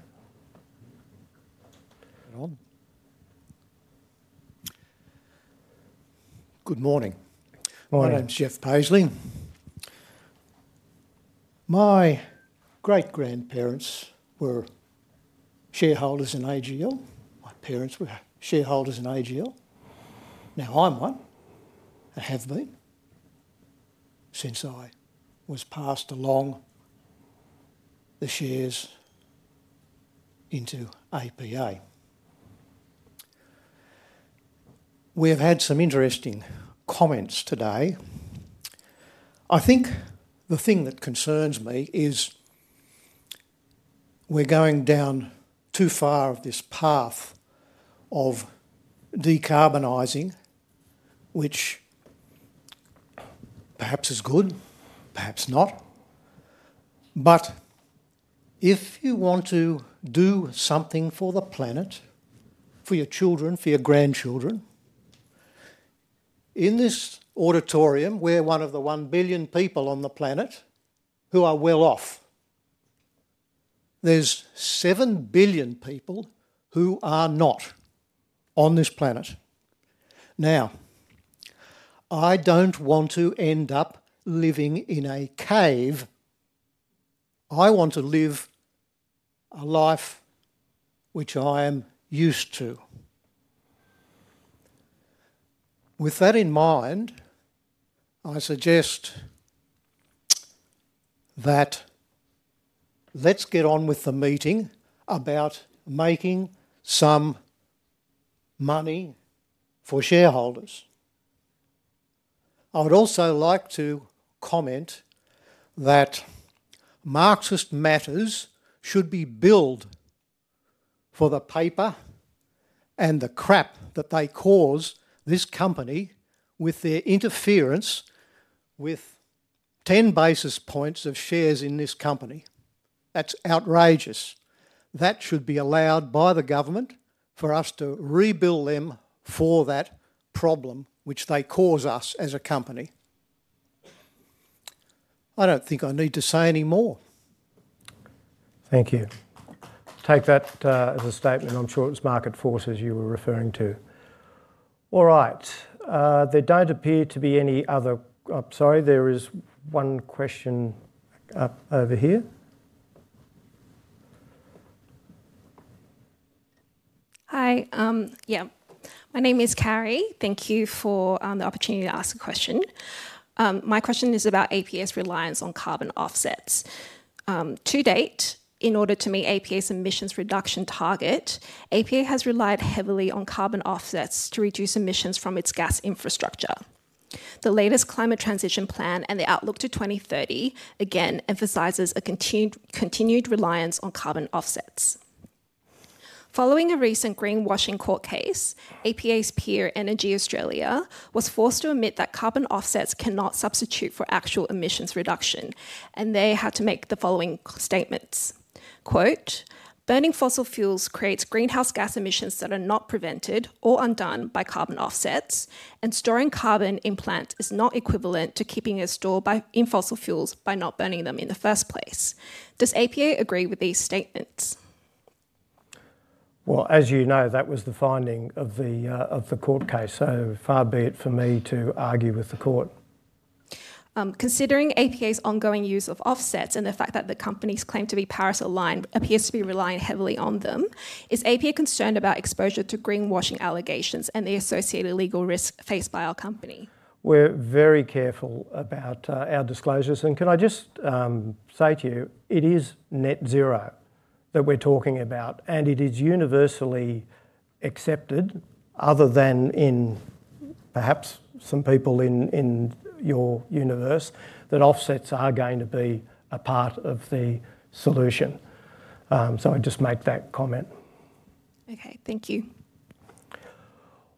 Good morning. Good morning. I'm Chef Paisley. My great-grandparents were shareholders in AGL. My parents were shareholders in AGL. Now I'm one and have been since I was passed along the shares into APA. We have had some interesting comments today. I think the thing that concerns me is we're going down too far of this path of decarbonizing, which perhaps is good, perhaps not. If you want to do something for the planet, for your children, for your grandchildren, in this auditorium, we're one of the one billion people on the planet who are well off. There's seven billion people who are not on this planet. I don't want to end up living in a cave. I want to live a life which I am used to. With that in mind, I suggest that let's get on with the meeting about making some money for shareholders. I would also like to comment that Market Forces should be billed for the paper and the crap that they cause this company with their interference with 10 basis points of shares in this company. That's outrageous. That should be allowed by the government for us to rebill them for that problem which they cause us as a company. I don't think I need to say any more. Thank you. Take that as a statement. I'm sure it's Market Forces you were referring to. All right. There don't appear to be any other—I'm sorry, there is one question up over here. Hi. My name is Carrie. Thank you for the opportunity to ask a question. My question is about APA's reliance on carbon offsets. To date, in order to meet APA's emissions reduction target, APA has relied heavily on carbon offsets to reduce emissions from its gas infrastructure. The latest Climate Transition Plan and the Outlook to 2030 again emphasizes a continued reliance on carbon offsets. Following a recent greenwashing court case, APA's peer Energy Australia was forced to admit that carbon offsets cannot substitute for actual emissions reduction, and they had to make the following statements. Quote, "Burning fossil fuels creates greenhouse gas emissions that are not prevented or undone by carbon offsets, and storing carbon in plants is not equivalent to keeping a store in fossil fuels by not burning them in the first place." Does APA agree with these statements? As you know, that was the finding of the court case, so far be it for me to argue with the court. Considering APA's ongoing use of carbon offsets and the fact that the company's claim to be Paris-aligned appears to be relying heavily on them, is APA concerned about exposure to greenwashing allegations and the associated legal risk faced by our company? We're very careful about our disclosures. Can I just say to you, it is net zero that we're talking about, and it is universally accepted, other than in perhaps some people in your universe, that offsets are going to be a part of the solution. I just make that comment. Okay, thank you.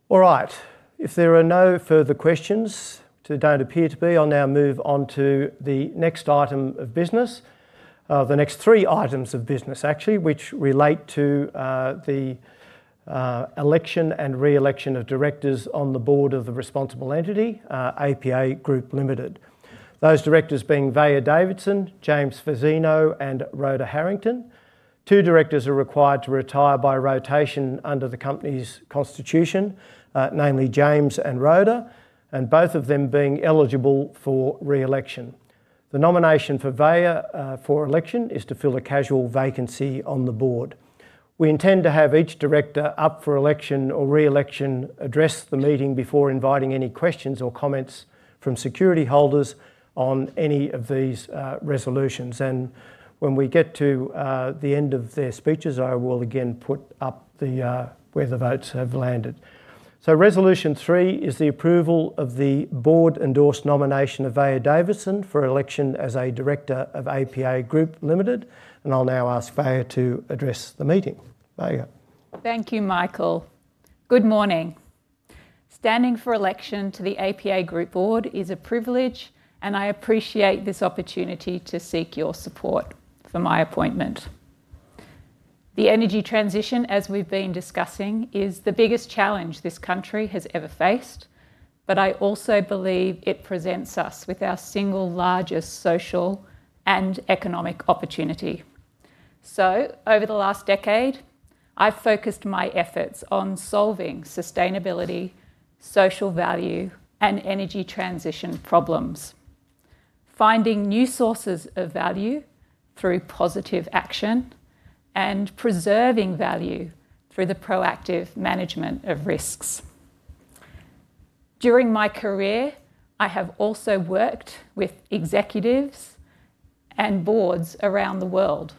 All right. If there are no further questions, there don't appear to be, I'll now move on to the next item of business, the next three items of business, actually, which relate to the election and re-election of directors on the board of the responsible entity, APA Group Ltd. Those directors being Varya Davidson, James Fazzino, and Rhoda Harrington. Two directors are required to retire by rotation under the company's constitution, namely James and Rhoda, and both of them being eligible for re-election. The nomination for Vaya for election is to fill a casual vacancy on the board. We intend to have each director up for election or re-election address the meeting before inviting any questions or comments from security holders on any of these resolutions. When we get to the end of their speeches, I will again put up where the votes have landed. Resolution 3 is the approval of the board-endorsed nomination of Varya Davidson for election as a director of APA Group Ltd. I'll now ask Varya to address the meeting. Varya. Thank you, Michael. Good morning. Standing for election to the APA Group Board is a privilege, and I appreciate this opportunity to seek your support for my appointment. The energy transition, as we've been discussing, is the biggest challenge this country has ever faced. I also believe it presents us with our single largest social and economic opportunity. Over the last decade, I've focused my efforts on solving sustainability, social value, and energy transition problems, finding new sources of value through positive action, and preserving value through the proactive management of risks. During my career, I have also worked with executives and boards around the world,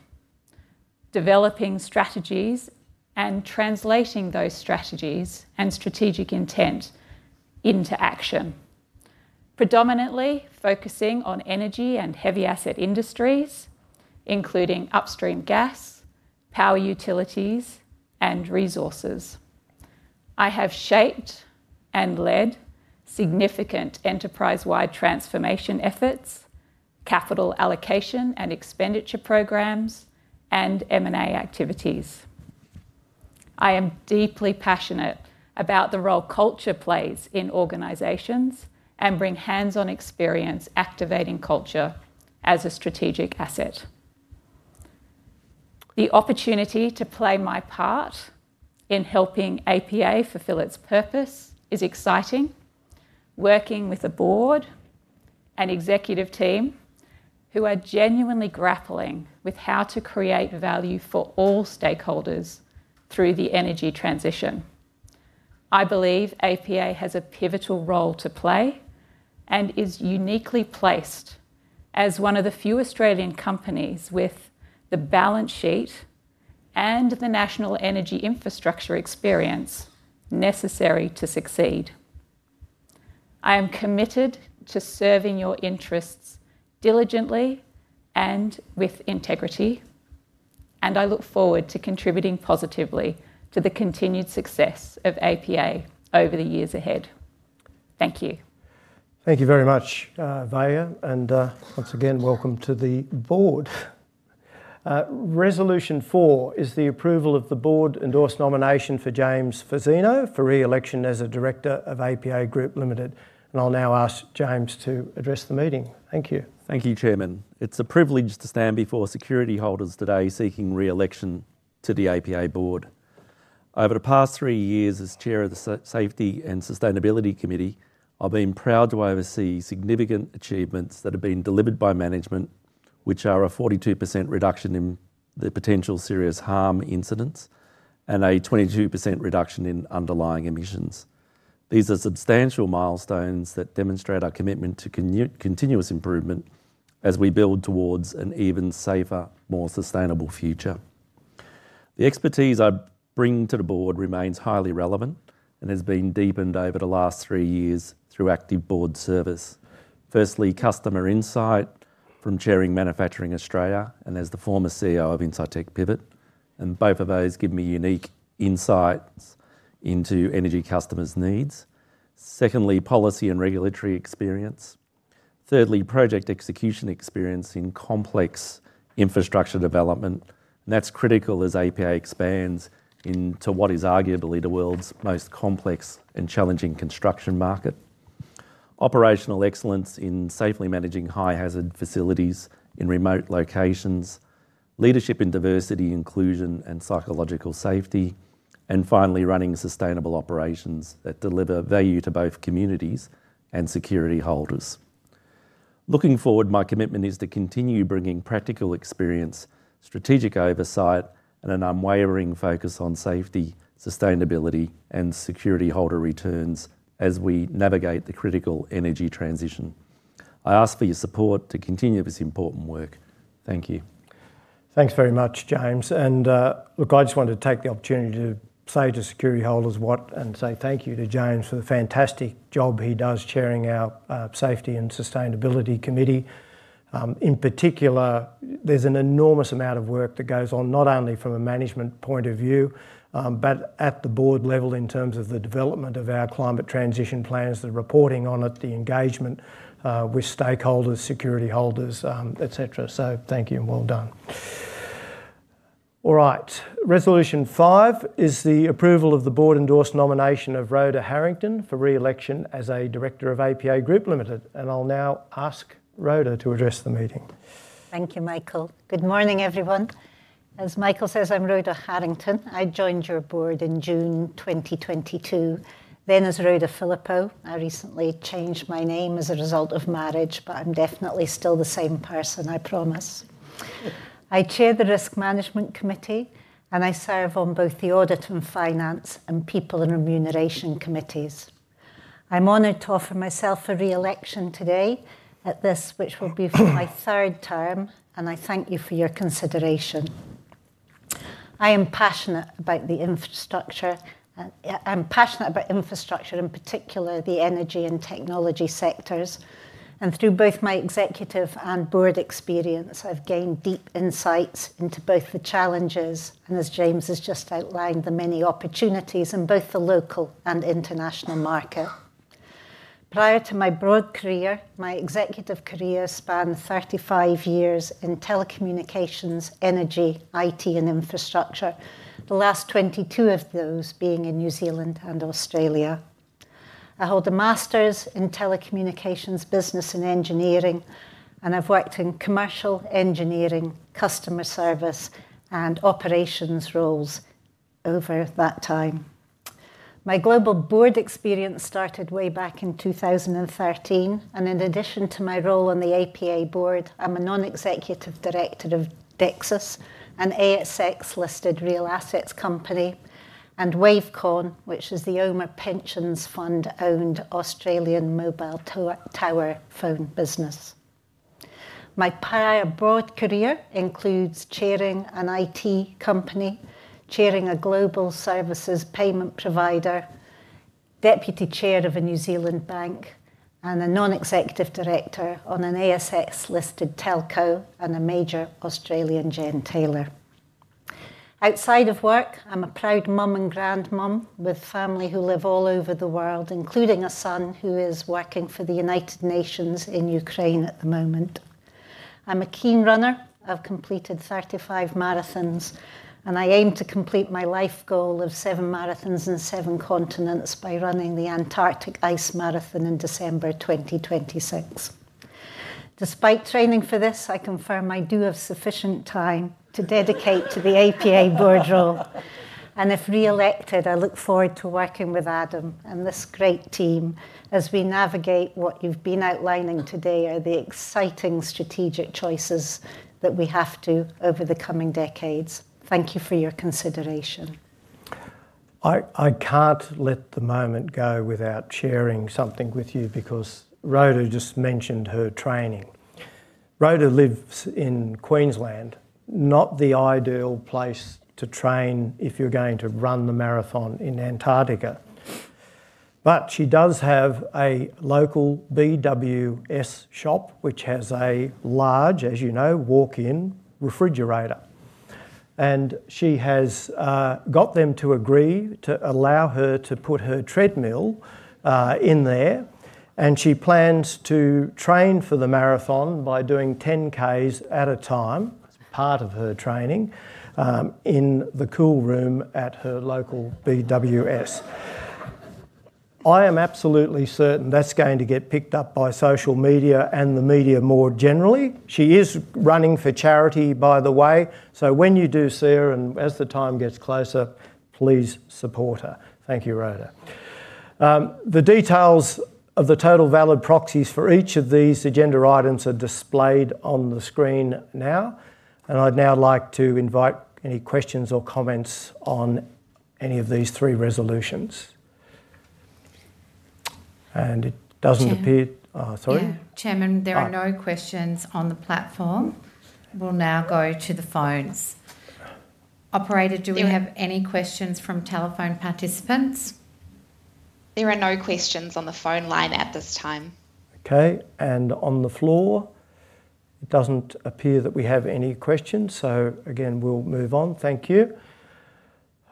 developing strategies and translating those strategies and strategic intent into action, predominantly focusing on energy and heavy asset industries, including upstream gas, power utilities, and resources. I have shaped and led significant enterprise-wide transformation efforts, capital allocation and expenditure programs, and M&A activities. I am deeply passionate about the role culture plays in organizations and bring hands-on experience activating culture as a strategic asset. The opportunity to play my part in helping APA fulfill its purpose is exciting, working with a Board and executive team who are genuinely grappling with how to create value for all stakeholders through the energy transition. I believe APA has a pivotal role to play and is uniquely placed as one of the few Australian companies with the balance sheet and the national energy infrastructure experience necessary to succeed. I am committed to serving your interests diligently and with integrity, and I look forward to contributing positively to the continued success of APA over the years ahead. Thank you. Thank you very much, Varya. Once again, welcome to the Board. Resolution 4 is the approval of the Board-endorsed nomination for James Fazzino for re-election as a Director of APA Group Ltd. I'll now ask James to address the meeting. Thank you. Thank you, Chairman. It's a privilege to stand before security holders today seeking re-election to the APA Board. Over the past three years as Chair of the Safety and Sustainability Committee, I've been proud to oversee significant achievements that have been delivered by management, which are a 42% reduction in the potential serious harm incidents and a 22% reduction in underlying emissions. These are substantial milestones that demonstrate our commitment to continuous improvement as we build towards an even safer, more sustainable future. The expertise I bring to the Board remains highly relevant and has been deepened over the last three years through active Board service. Firstly, customer insight from chairing Manufacturing Australia, and as the former CEO of Incitec Pivot, both of those give me unique insights into energy customers' needs. Secondly, policy and regulatory experience. Thirdly, project execution experience in complex infrastructure development, and that's critical as APA expands into what is arguably the world's most complex and challenging construction market. Operational excellence in safely managing high-hazard facilities in remote locations, leadership in diversity, inclusion, and psychological safety, and finally, running sustainable operations that deliver value to both communities and security holders. Looking forward, my commitment is to continue bringing practical experience, strategic oversight, and an unwavering focus on safety, sustainability, and security holder returns as we navigate the critical energy transition. I ask for your support to continue this important work. Thank you. Thanks very much, James. I just wanted to take the opportunity to say to security holders and say thank you to James for the fantastic job he does chairing our Safety and Sustainability Committee. In particular, there's an enormous amount of work that goes on not only from a management point of view, but at the board level in terms of the development of our Climate Transition Plans, the reporting on it, the engagement with stakeholders, security holders, et cetera. Thank you and well done. All right. Resolution 5 is the approval of the board-endorsed nomination of Rhoda Harrington for re-election as a director of APA Group Ltd. I'll now ask Rhoda to address the meeting. Thank you, Michael. Good morning, everyone. As Michael says, I'm Rhoda Harrington. I joined your Board in June 2022. Then as Rhoda Philippo, I recently changed my name as a result of marriage, but I'm definitely still the same person, I promise. I chair the Risk Management Committee, and I serve on both the Audit and Finance and People and Remuneration Committees. I'm honored to offer myself for re-election today at this, which will be my third term, and I thank you for your consideration. I am passionate about the infrastructure, in particular, the energy and technology sectors. Through both my executive and Board experience, I've gained deep insights into both the challenges and, as James has just outlined, the many opportunities in both the local and international market. Prior to my Board career, my executive career spanned 35 years in telecommunications, energy, IT, and infrastructure, the last 22 of those being in New Zealand and Australia. I hold a master's in telecommunications business and engineering, and I've worked in commercial engineering, customer service, and operations roles over that time. My global Board experience started way back in 2013, and in addition to my role on the APA Board, I'm a Non-Executive Director of Dexus, an ASX-listed real assets company, and Wavecon, which is the Omer Pensions Fund-owned Australian mobile tower phone business. My prior Board career includes chairing an IT company, chairing a global services payment provider, Deputy Chair of a New Zealand bank, and a Non-Executive Director on an ASX-listed telco, and a major Australian gentailer. Outside of work, I'm a proud mom and grandmom with family who live all over the world, including a son who is working for the United Nations in Ukraine at the moment. I'm a keen runner. I've completed 35 marathons, and I aim to complete my life goal of seven marathons in seven continents by running the Antarctic Ice Marathon in December 2026. Despite training for this, I confirm I do have sufficient time to dedicate to the APA Board role. If re-elected, I look forward to working with Adam and this great team as we navigate what you've been outlining today are the exciting strategic choices that we have to make over the coming decades. Thank you for your consideration. I can't let the moment go without sharing something with you because Rhoda just mentioned her training. Rhoda lives in Queensland, not the ideal place to train if you're going to run the marathon in Antarctica. She does have a local BWS shop, which has a large, as you know, walk-in refrigerator. She has got them to agree to allow her to put her treadmill in there, and she plans to train for the marathon by doing 10Ks at a time as part of her training in the cool room at her local BWS. I am absolutely certain that's going to get picked up by social media and the media more generally. She is running for charity, by the way. When you do see her and as the time gets closer, please support her. Thank you, Rhoda. The details of the total valid proxies for each of these agenda items are displayed on the screen now. I'd now like to invite any questions or comments on any of these three resolutions. It doesn't appear, sorry. Chairman, there are no questions on the platform. We'll now go to the phones. Operator, do we have any questions from telephone participants? There are no questions on the phone line at this time. Okay. On the floor, it doesn't appear that we have any questions. We'll move on. Thank you.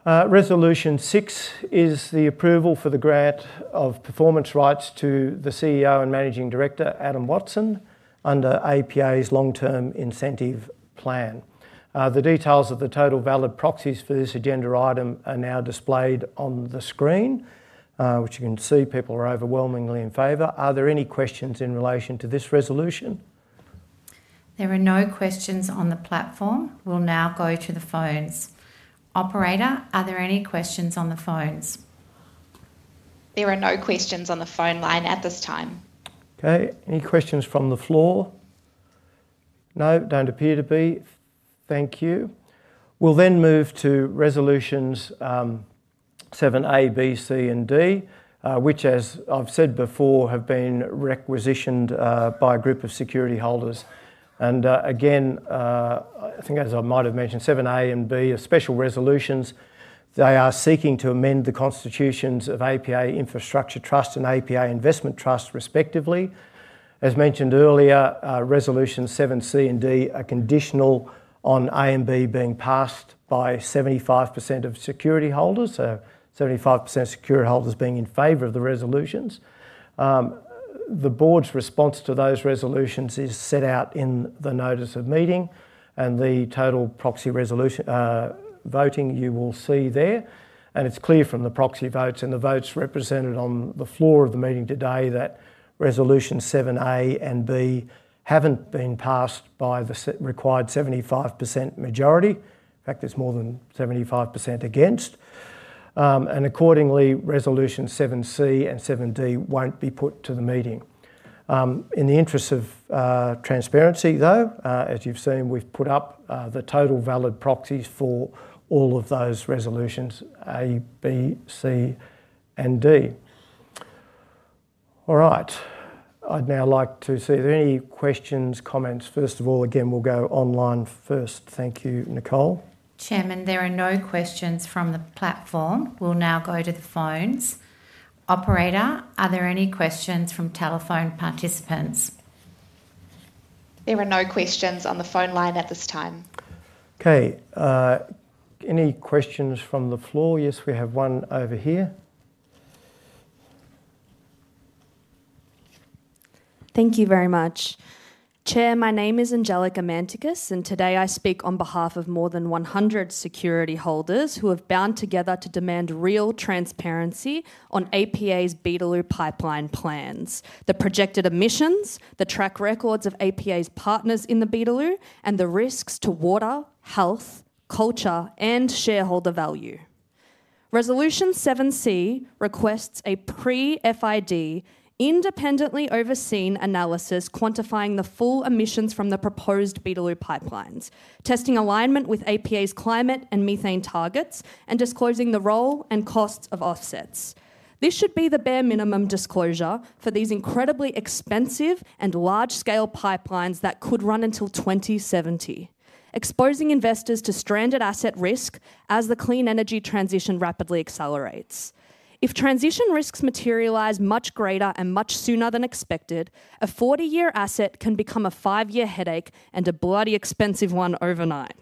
Resolution 6 is the approval for the grant of performance rights to the CEO and Managing Director, Adam Watson, under APA's long-term incentive plan. The details of the total valid proxies for this agenda item are now displayed on the screen, which you can see people are overwhelmingly in favor. Are there any questions in relation to this resolution? There are no questions on the platform. We'll now go to the phones. Operator, are there any questions on the phones? There are no questions on the phone line at this time. Okay. Any questions from the floor? No, don't appear to be. Thank you. We'll then move to Resolutions 7A, B, C, and D, which, as I've said before, have been requisitioned by a group of security holders. I think, as I might have mentioned, 7A and B are special resolutions. They are seeking to amend the constitutions of APA Infrastructure Trust and APA Investment Trust, respectively. As mentioned earlier, Resolutions 7C and D are conditional on A and B being passed by 75% of security holders, so 75% of security holders being in favor of the resolutions. The board's response to those resolutions is set out in the notice of meeting and the total proxy voting you will see there. It's clear from the proxy votes and the votes represented on the floor of the meeting today that Resolutions 7A and B haven't been passed by the required 75% majority. In fact, there's more than 75% against. Accordingly, Resolutions 7C and 7D won't be put to the meeting. In the interest of transparency, as you've seen, we've put up the total valid proxies for all of those Resolutions A, B, C, and D. All right. I'd now like to see if there are any questions, comments. First of all, again, we'll go online first. Thank you, Nicole. Chairman, there are no questions from the platform. We'll now go to the phones. Operator, are there any questions from telephone participants? There are no questions on the phone line at this time. Okay. Any questions from the floor? Yes, we have one over here. Thank you very much. Chair, my name is Angelica Manticus, and today I speak on behalf of more than 100 security holders who have bound together to demand real transparency on APA's Beetaloo pipeline plans, the projected emissions, the track records of APA's partners in the Beetaloo, and the risks to water, health, culture, and shareholder value. Resolution 7C requests a pre-FID independently overseen analysis quantifying the full emissions from the proposed Beetaloo pipelines, testing alignment with APA's climate and methane targets, and disclosing the role and costs of offsets. This should be the bare minimum disclosure for these incredibly expensive and large-scale pipelines that could run until 2070, exposing investors to stranded asset risk as the clean energy transition rapidly accelerates. If transition risks materialize much greater and much sooner than expected, a 40-year asset can become a five-year headache and a bloody expensive one overnight.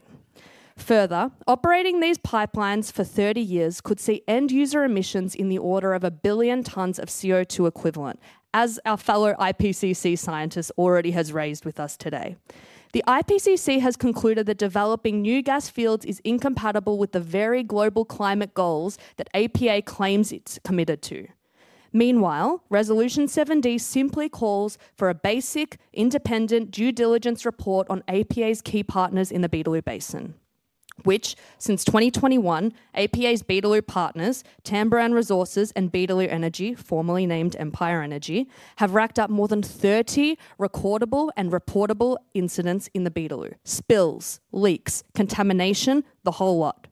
Further, operating these pipelines for 30 years could see end-user emissions in the order of a billion tons of CO2 equivalent, as our fellow IPCC scientist already has raised with us today. The IPCC has concluded that developing new gas fields is incompatible with the very global climate goals that APA claims it's committed to. Meanwhile, Resolution 7D simply calls for a basic, independent due diligence report on APA's key partners in the Beetaloo Basin, which, since 2021, APA's Beetaloo partners, Tamboran Resources and Beetaloo Energy, formerly named Empire Energy, have racked up more than 30 recordable and reportable incidents in the Beetaloo. Spills, leaks, contamination, the whole lot.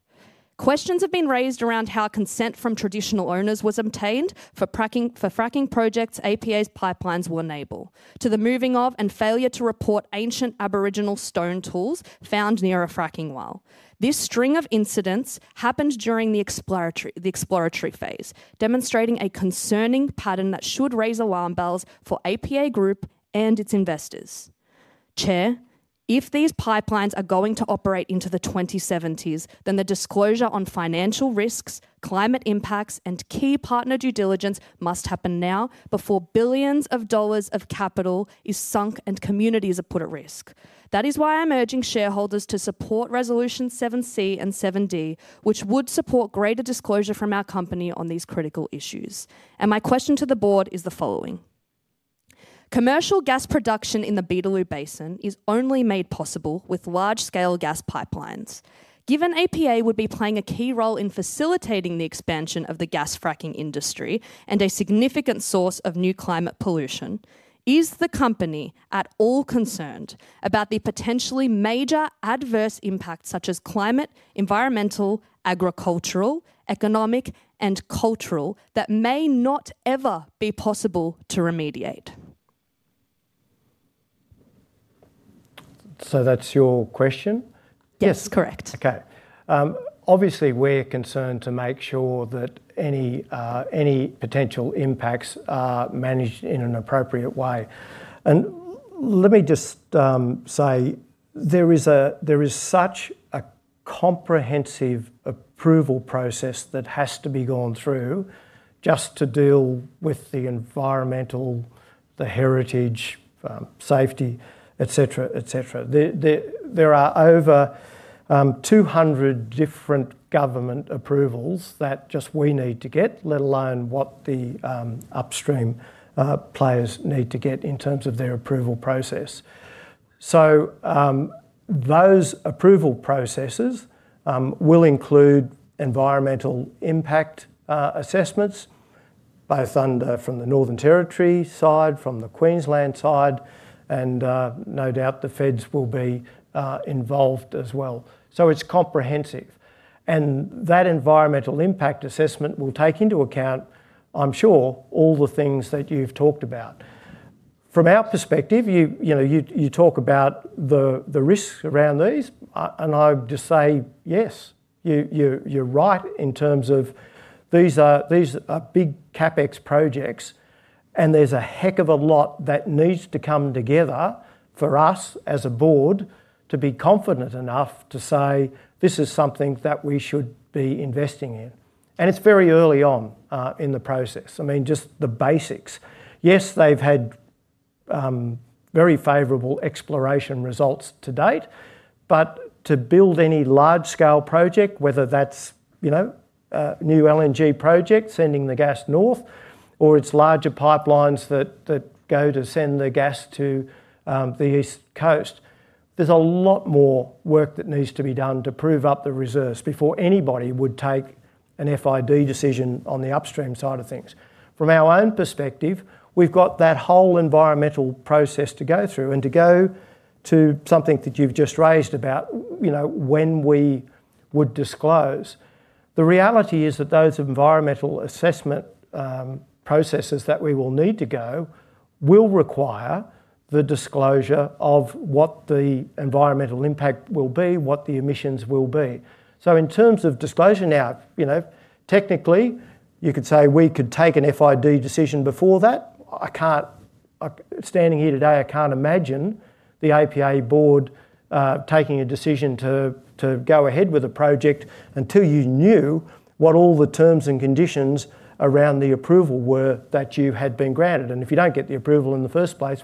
Questions have been raised around how consent from traditional owners was obtained for fracking projects APA's pipelines were enabled, to the moving of and failure to report ancient Aboriginal stone tools found near a fracking well. This string of incidents happened during the exploratory phase, demonstrating a concerning pattern that should raise alarm bells for APA Group and its investors. Chair, if these pipelines are going to operate into the 2070s, then the disclosure on financial risks, climate impacts, and key partner due diligence must happen now before billions of dollars of capital is sunk and communities are put at risk. That is why I'm urging shareholders to support Resolution 7C and 7D, which would support greater disclosure from our company on these critical issues. My question to the board is the following. Commercial gas production in the Beetaloo Basin is only made possible with large-scale gas pipelines. Given APA would be playing a key role in facilitating the expansion of the gas fracking industry and a significant source of new climate pollution, is the company at all concerned about the potentially major adverse impacts such as climate, environmental, agricultural, economic, and cultural that may not ever be possible to remediate? Is that your question? Yes, correct. Okay. Obviously, we're concerned to make sure that any potential impacts are managed in an appropriate way. Let me just say, there is such a comprehensive approval process that has to be gone through just to deal with the environmental, the heritage, safety, etc., etc. There are over 200 different government approvals that just we need to get, let alone what the upstream players need to get in terms of their approval process. Those approval processes will include environmental impact assessments, both from the Northern Territory side, from the Queensland side, and no doubt the feds will be involved as well. It's comprehensive. That environmental impact assessment will take into account, I'm sure, all the things that you've talked about. From our perspective, you talk about the risks around these, and I would just say, yes, you're right in terms of these are big CapEx projects, and there's a heck of a lot that needs to come together for us as a Board to be confident enough to say, this is something that we should be investing in. It's very early on in the process. I mean, just the basics. Yes, they've had very favorable exploration results to date, but to build any large-scale project, whether that's a new LNG project sending the gas north or it's larger pipelines that go to send the gas to the East Coast, there's a lot more work that needs to be done to prove up the reserves before anybody would take an FID decision on the upstream side of things. From our own perspective, we've got that whole environmental process to go through and to go to something that you've just raised about, you know, when we would disclose. The reality is that those environmental assessment processes that we will need to go will require the disclosure of what the environmental impact will be, what the emissions will be. In terms of disclosure now, you know, technically, you could say we could take an FID decision before that. I can't, standing here today, I can't imagine the APA Board taking a decision to go ahead with a project until you knew what all the terms and conditions around the approval were that you had been granted. If you don't get the approval in the first place,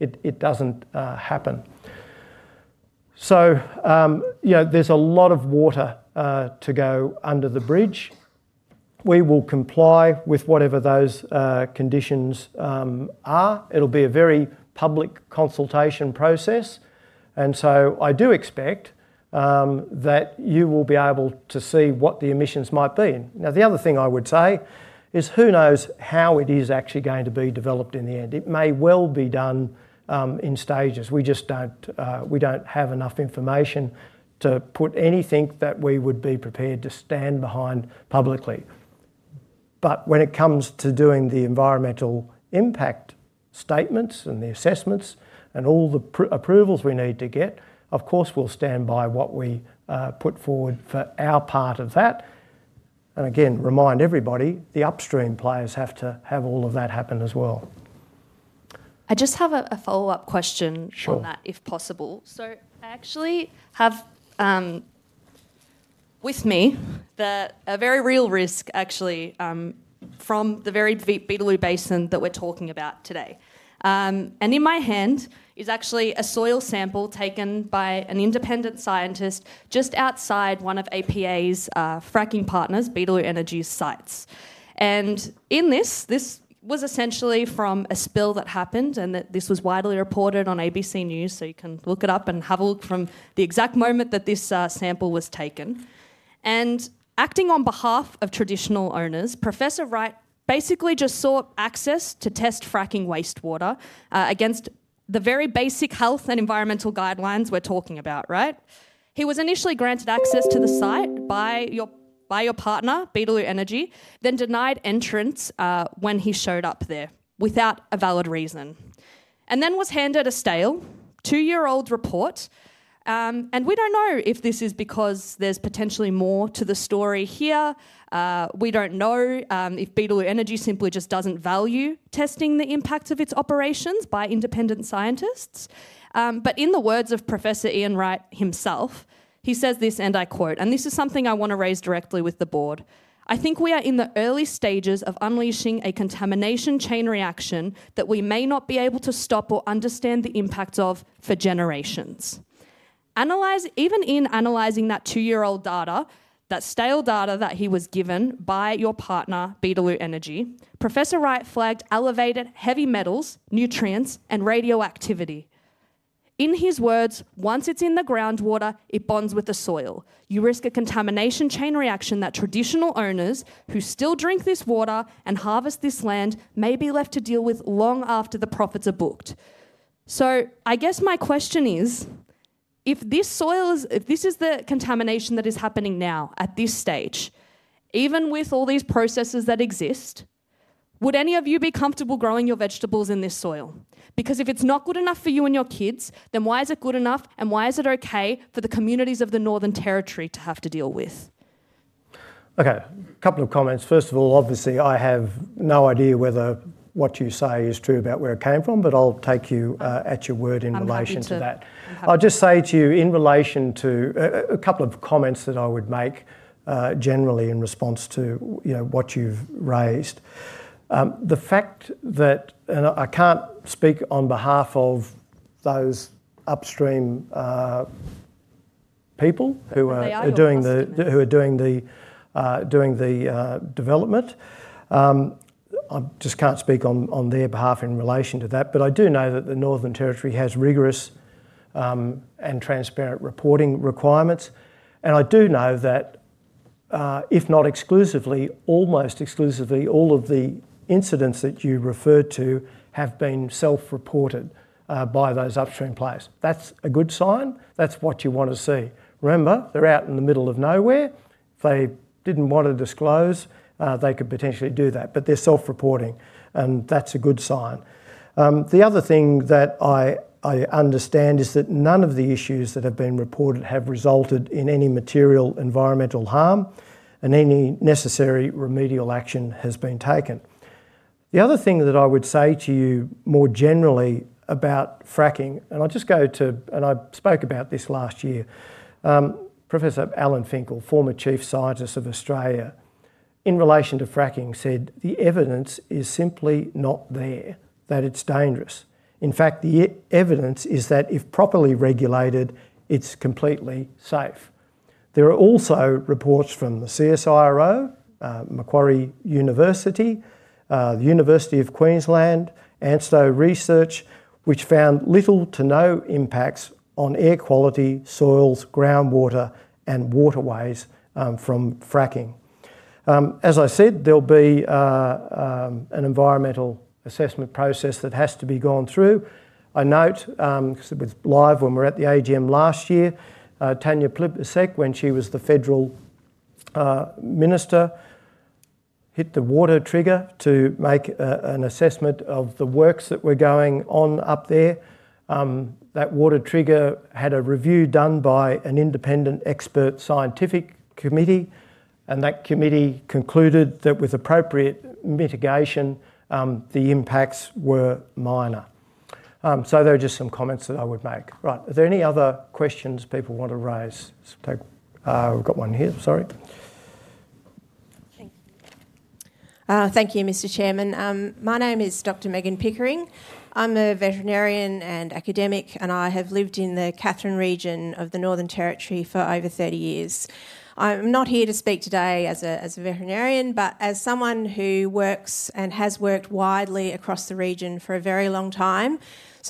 it doesn't happen. There's a lot of water to go under the bridge. We will comply with whatever those conditions are. It'll be a very public consultation process. I do expect that you will be able to see what the emissions might be in. Now, the other thing I would say is who knows how it is actually going to be developed in the end. It may well be done in stages. We just don't have enough information to put anything that we would be prepared to stand behind publicly. When it comes to doing the environmental impact statements and the assessments and all the approvals we need to get, of course, we'll stand by what we put forward for our part of that. Again, remind everybody, the upstream players have to have all of that happen as well. I just have a follow-up question on that, if possible. I actually have with me a very real risk, actually, from the very Beetaloo Basin that we're talking about today. In my hand is actually a soil sample taken by an independent scientist just outside one of APA Group's fracking partners, Beetaloo Energy's sites. This was essentially from a spill that happened, and this was widely reported on ABC News, so you can look it up and have a look from the exact moment that this sample was taken. Acting on behalf of traditional owners, Professor Wright basically just sought access to test fracking wastewater against the very basic health and environmental guidelines we're talking about, right? He was initially granted access to the site by your partner, Beetaloo Energy, then denied entrance when he showed up there without a valid reason. He was then handed a stale, two-year-old report. We don't know if this is because there's potentially more to the story here. We don't know if Beetaloo Energy simply just doesn't value testing the impacts of its operations by independent scientists. In the words of Professor Ian Wright himself, he says this, and I quote, and this is something I want to raise directly with the board. I think we are in the early stages of unleashing a contamination chain reaction that we may not be able to stop or understand the impacts of for generations. Even in analyzing that two-year-old data, that stale data that he was given by your partner, Beetaloo Energy, Professor Wright flagged elevated heavy metals, nutrients, and radioactivity. In his words, once it's in the groundwater, it bonds with the soil. You risk a contamination chain reaction that traditional owners who still drink this water and harvest this land may be left to deal with long after the profits are booked. I guess my question is, if this soil is, if this is the contamination that is happening now at this stage, even with all these processes that exist, would any of you be comfortable growing your vegetables in this soil? If it's not good enough for you and your kids, then why is it good enough and why is it okay for the communities of the Northern Territory to have to deal with? Okay, a couple of comments. First of all, obviously, I have no idea whether what you say is true about where it came from, but I'll take you at your word in relation to that. I'll just say to you in relation to a couple of comments that I would make generally in response to what you've raised. The fact that, and I can't speak on behalf of those upstream people who are doing the development, I just can't speak on their behalf in relation to that. I do know that the Northern Territory has rigorous and transparent reporting requirements. I do know that, if not exclusively, almost exclusively, all of the incidents that you referred to have been self-reported by those upstream players. That's a good sign. That's what you want to see. Remember, they're out in the middle of nowhere. If they didn't want to disclose, they could potentially do that. They're self-reporting, and that's a good sign. The other thing that I understand is that none of the issues that have been reported have resulted in any material environmental harm, and any necessary remedial action has been taken. The other thing that I would say to you more generally about fracking, and I'll just go to, and I spoke about this last year, Professor Alan Finkel, former Chief Scientist of Australia, in relation to fracking, said the evidence is simply not there, that it's dangerous. In fact, the evidence is that if properly regulated, it's completely safe. There are also reports from the CSIRO, Macquarie University, the University of Queensland, ANSTO Research, which found little to no impacts on air quality, soils, groundwater, and waterways from fracking. As I said, there'll be an environmental assessment process that has to be gone through. I note, because it was live when we were at the AGM last year, Tanya Plibersek, when she was the federal minister, hit the water trigger to make an assessment of the works that were going on up there. That water trigger had a review done by an independent expert scientific committee, and that committee concluded that with appropriate mitigation, the impacts were minor. Those are just some comments that I would make. Right. Are there any other questions people want to raise? We've got one here. Sorry. Thank you, Mr. Chairman. My name is Dr. Megan Pickering. I'm a veterinarian and academic, and I have lived in the Katherine region of the Northern Territory for over 30 years. I'm not here to speak today as a veterinarian, but as someone who works and has worked widely across the region for a very long time.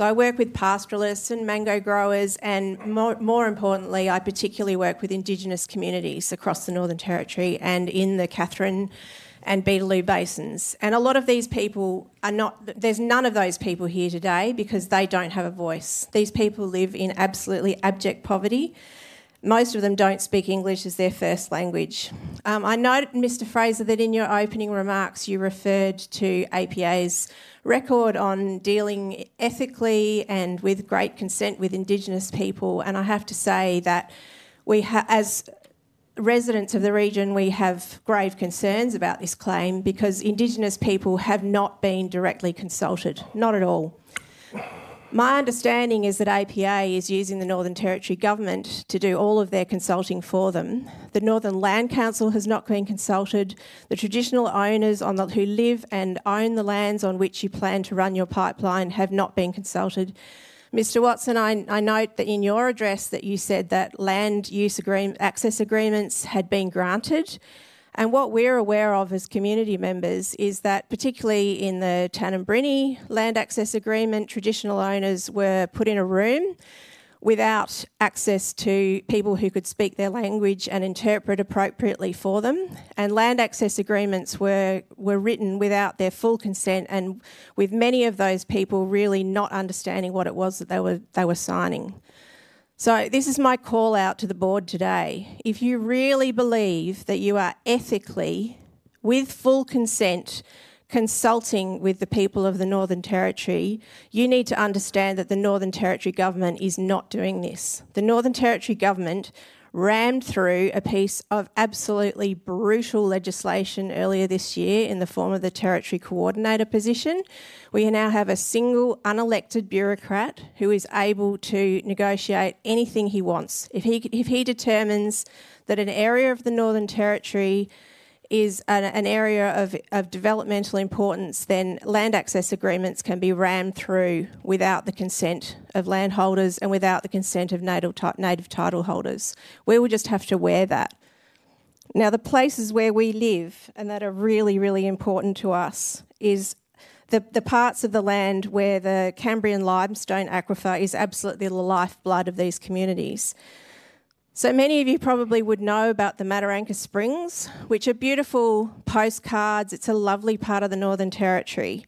I work with pastoralists and mango growers, and more importantly, I particularly work with Indigenous communities across the Northern Territory and in the Katherine and Beetaloo basins. A lot of these people are not, there's none of those people here today because they don't have a voice. These people live in absolutely abject poverty. Most of them don't speak English as their first language. I note, Mr. Fraser, that in your opening remarks, you referred to APA's record on dealing ethically and with great consent with Indigenous people. I have to say that we, as residents of the region, have grave concerns about this claim because Indigenous people have not been directly consulted, not at all. My understanding is that APA is using the Northern Territory government to do all of their consulting for them. The Northern Land Council has not been consulted. The traditional owners who live and own the lands on which you plan to run your pipeline have not been consulted. Mr. Watson, I note that in your address you said that land use access agreements had been granted. What we're aware of as community members is that particularly in the Tanimbrini land access agreement, traditional owners were put in a room without access to people who could speak their language and interpret appropriately for them. Land access agreements were written without their full consent and with many of those people really not understanding what it was that they were signing. This is my call out to the board today. If you really believe that you are ethically, with full consent, consulting with the people of the Northern Territory, you need to understand that the Northern Territory government is not doing this. The Northern Territory government rammed through a piece of absolutely brutal legislation earlier this year in the form of the Territory Coordinator position. We now have a single unelected bureaucrat who is able to negotiate anything he wants. If he determines that an area of the Northern Territory is an area of developmental importance, then land access agreements can be rammed through without the consent of landholders and without the consent of native title holders. We will just have to wear that. The places where we live and that are really, really important to us are the parts of the land where the Cambrian limestone aquifer is absolutely the lifeblood of these communities. Many of you probably would know about the Mataranka Springs, which are beautiful postcards. It's a lovely part of the Northern Territory,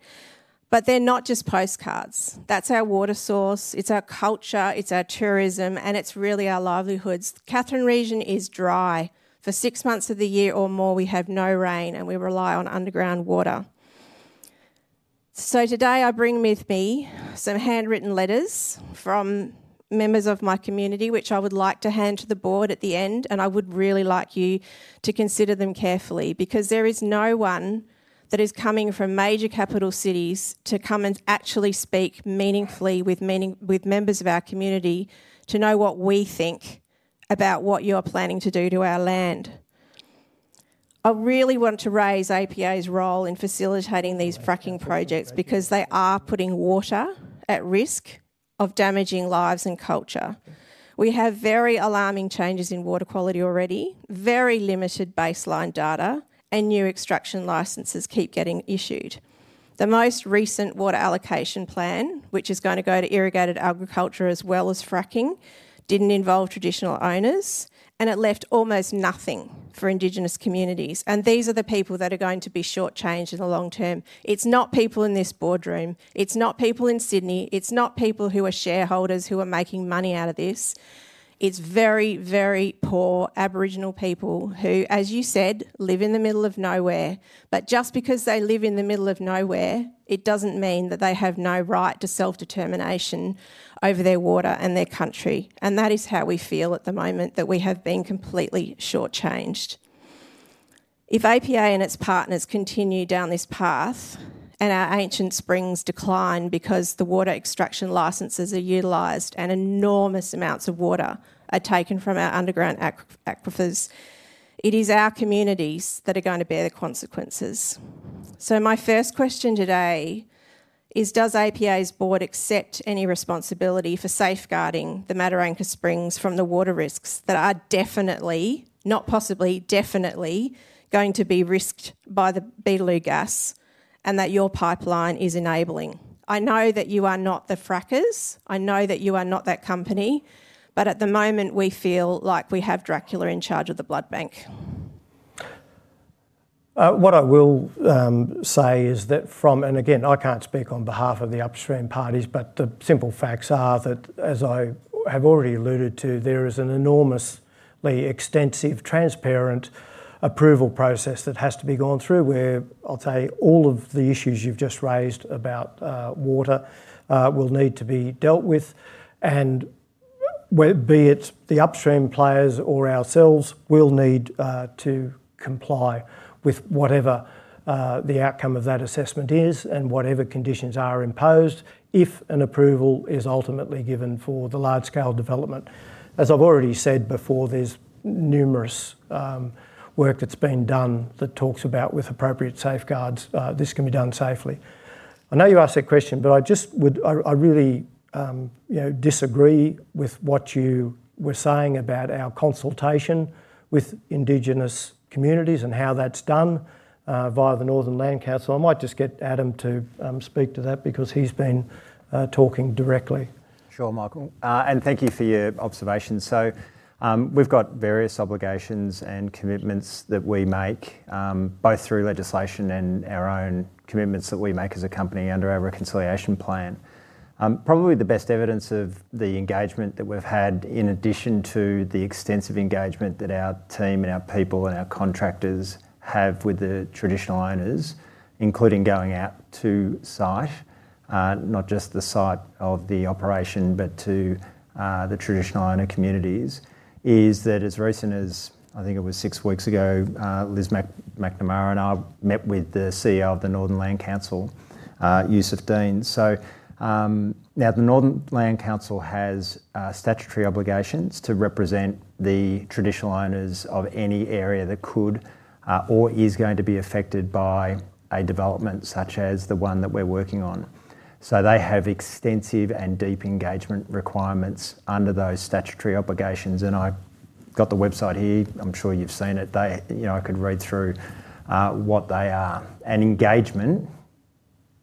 but they're not just postcards. That's our water source. It's our culture. It's our tourism. It's really our livelihoods. The Katherine region is dry. For six months of the year or more, we have no rain, and we rely on underground water. Today I bring with me some handwritten letters from members of my community, which I would like to hand to the board at the end. I would really like you to consider them carefully because there is no one that is coming from major capital cities to come and actually speak meaningfully with members of our community to know what we think about what you're planning to do to our land. I really want to raise APA's role in facilitating these fracking projects because they are putting water at risk of damaging lives and culture. We have very alarming changes in water quality already, very limited baseline data, and new extraction licenses keep getting issued. The most recent water allocation plan, which is going to go to irrigated agriculture as well as fracking, didn't involve traditional owners, and it left almost nothing for Indigenous communities. These are the people that are going to be shortchanged in the long term. It's not people in this boardroom. It's not people in Sydney. It's not people who are shareholders who are making money out of this. It's very, very poor Aboriginal people who, as you said, live in the middle of nowhere. Just because they live in the middle of nowhere, it doesn't mean that they have no right to self-determination over their water and their country. That is how we feel at the moment, that we have been completely shortchanged. If APA and its partners continue down this path and our ancient springs decline because the water extraction licenses are utilized and enormous amounts of water are taken from our underground aquifers, it is our communities that are going to bear the consequences. My first question today is, does APA's Board accept any responsibility for safeguarding the Mataranka Springs from the water risks that are definitely, not possibly, definitely going to be risked by the Beetaloo gas and that your pipeline is enabling? I know that you are not the frackers. I know that you are not that company, but at the moment we feel like we have Dracula in charge of the blood bank. What I will say is that from, and again, I can't speak on behalf of the upstream parties, but the simple facts are that, as I have already alluded to, there is an enormously extensive, transparent approval process that has to be gone through where all of the issues you've just raised about water will need to be dealt with. Be it the upstream players or ourselves, we'll need to comply with whatever the outcome of that assessment is and whatever conditions are imposed if an approval is ultimately given for the large-scale development. As I've already said before, there's numerous work that's been done that talks about with appropriate safeguards, this can be done safely. I know you asked that question, but I really disagree with what you were saying about our consultation with Indigenous communities and how that's done via the Northern Land Council. I might just get Adam to speak to that because he's been talking directly. Sure, Michael. Thank you for your observation. We've got various obligations and commitments that we make, both through legislation and our own commitments that we make as a company under our reconciliation plan. Probably the best evidence of the engagement that we've had, in addition to the extensive engagement that our team and our people and our contractors have with the traditional owners, including going out to site, not just the site of the operation but to the traditional owner communities, is that as recent as I think it was six weeks ago, Liz McNamara and I met with the CEO of the Northern Land Council, Yusuf Dean. The Northern Land Council has statutory obligations to represent the traditional owners of any area that could or is going to be affected by a development such as the one that we're working on. They have extensive and deep engagement requirements under those statutory obligations. I've got the website here. I'm sure you've seen it. I could read through what they are. Engagement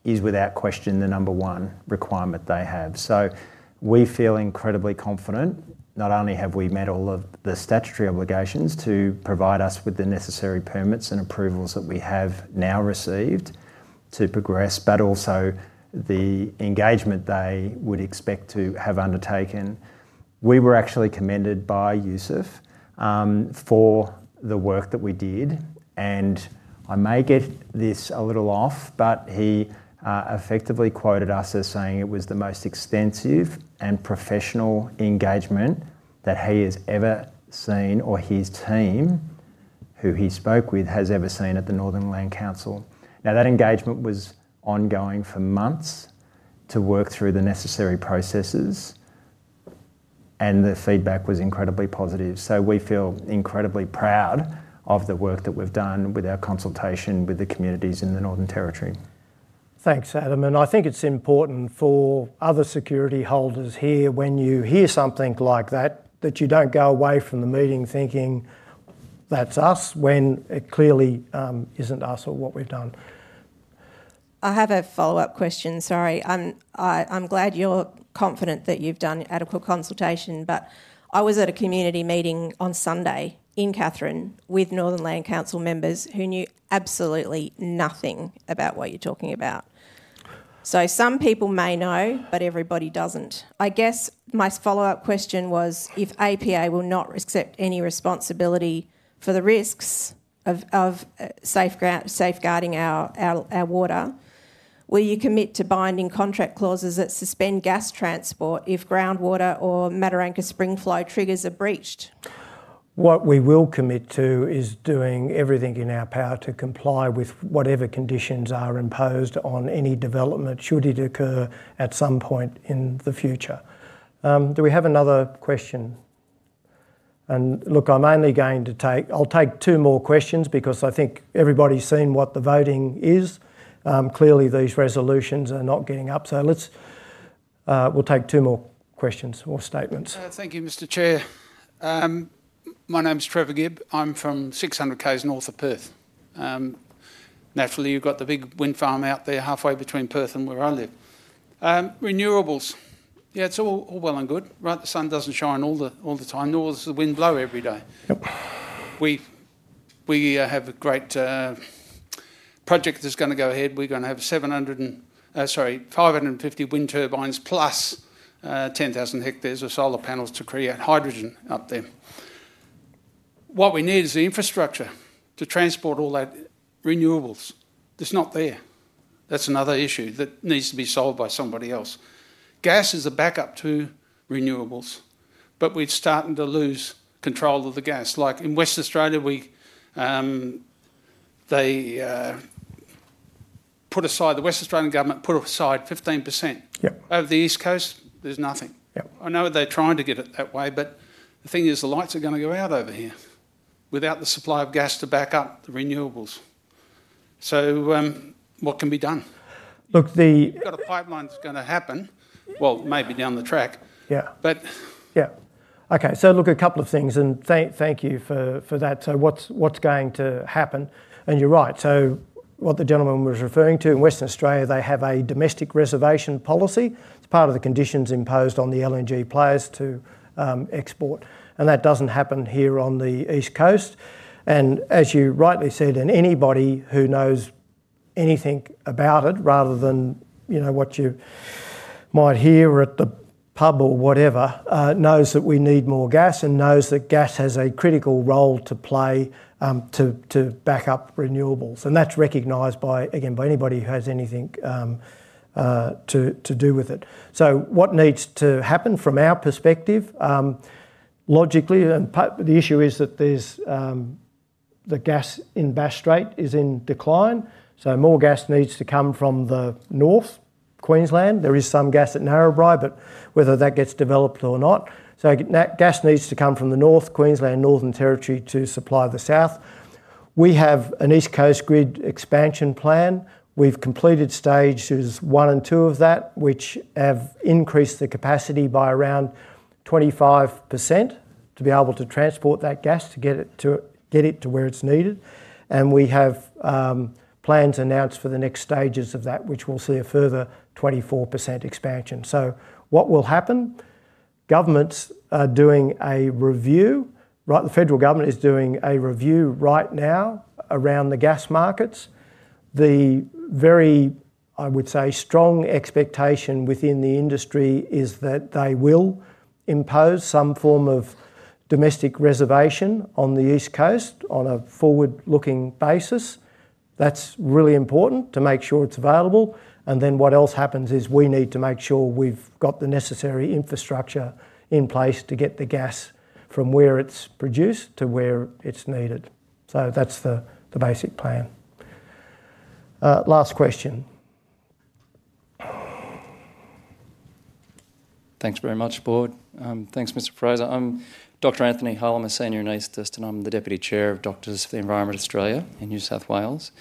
is without question the number one requirement they have. We feel incredibly confident. Not only have we met all of the statutory obligations to provide us with the necessary permits and approvals that we have now received to progress, but also the engagement they would expect to have undertaken. We were actually commended by Yusuf for the work that we did. I may get this a little off, but he effectively quoted us as saying it was the most extensive and professional engagement that he has ever seen or his team, who he spoke with, has ever seen at the Northern Land Council. That engagement was ongoing for months to work through the necessary processes, and the feedback was incredibly positive. We feel incredibly proud of the work that we've done with our consultation with the communities in the Northern Territory. Thanks, Adam. I think it's important for other security holders here when you hear something like that, that you don't go away from the meeting thinking that's us when it clearly isn't us or what we've done. I have a follow-up question. Sorry, I'm glad you're confident that you've done adequate consultation, but I was at a community meeting on Sunday in Katherine with Northern Land Council members who knew absolutely nothing about what you're talking about. Some people may know, but everybody doesn't. I guess my follow-up question was if APA will not accept any responsibility for the risks of safeguarding our water, will you commit to binding contract clauses that suspend gas transport if groundwater or Mataranka spring flow triggers are breached? What we will commit to is doing everything in our power to comply with whatever conditions are imposed on any development should it occur at some point in the future. Do we have another question? I'm only going to take, I'll take two more questions because I think everybody's seen what the voting is. Clearly, these resolutions are not getting up. Let's take two more questions or statements. Thank you, Mr. Chair. My name's Trevor Gibb. I'm from 600 km north of Perth. Naturally, you've got the big wind farm out there halfway between Perth and where I live. Renewables, yeah, it's all well and good. Right, the sun doesn't shine all the time, nor does the wind blow every day. We have a great project that's going to go ahead. We're going to have 750 wind turbines plus 10,000 hectares of solar panels to create hydrogen up there. What we need is the infrastructure to transport all that renewables. It's not there. That's another issue that needs to be solved by somebody else. Gas is a backup to renewables, but we're starting to lose control of the gas. Like in Western Australia, they put aside, the Western Australian government put aside 15%. Over the East Coast, there's nothing. I know they're trying to get it that way, but the thing is, the lights are going to go out over here without the supply of gas to back up the renewables. What can be done? We've got a pipeline that's going to happen. Maybe down the track. Okay, so look, a couple of things, and thank you for that. What's going to happen? You're right. What the gentleman was referring to in Western Australia, they have a domestic reservation policy. It's part of the conditions imposed on the LNG players to export. That doesn't happen here on the East Coast. As you rightly said, anybody who knows anything about it, rather than what you might hear at the pub or whatever, knows that we need more gas and knows that gas has a critical role to play to back up renewables. That's recognized by, again, by anybody who has anything to do with it. What needs to happen from our perspective, logically, is that the gas in Bass Strait is in decline. More gas needs to come from the north, Queensland. There is some gas at Narrabri, but whether that gets developed or not. That gas needs to come from the north, Queensland, Northern Territory to supply the south. We have an East Coast grid expansion plan. We've completed stages one and two of that, which have increased the capacity by around 25% to be able to transport that gas to get it to where it's needed. We have plans announced for the next stages of that, which will see a further 24% expansion. What will happen is governments are doing a review. The federal government is doing a review right now around the gas markets. The very, I would say, strong expectation within the industry is that they will impose some form of domestic reservation on the East Coast on a forward-looking basis. That's really important to make sure it's available. What else happens is we need to make sure we've got the necessary infrastructure in place to get the gas from where it's produced to where it's needed. That's the basic plan. Last question. Thanks very much, Board. Thanks, Mr. Fraser. I'm Dr. Anthony Hull. I'm a Senior Anaesthetist, and I'm the Deputy Chair of Doctors for the Environment of Australia in New South Wales.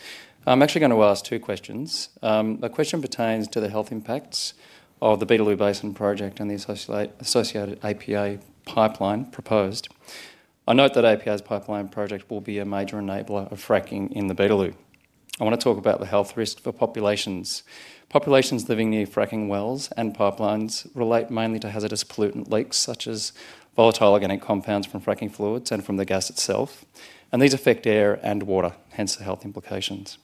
I'm actually going to ask two questions. The question pertains to the health impacts of the Beetaloo Basin project and the associated APA pipeline proposed. I note that APA's pipeline project will be a major enabler of fracking in the Beetaloo. I want to talk about the health risk for populations. Populations living near fracking wells and pipelines relate mainly to hazardous pollutant leaks, such as volatile organic compounds from fracking fluids and from the gas itself. These affect air and water, hence the health implications.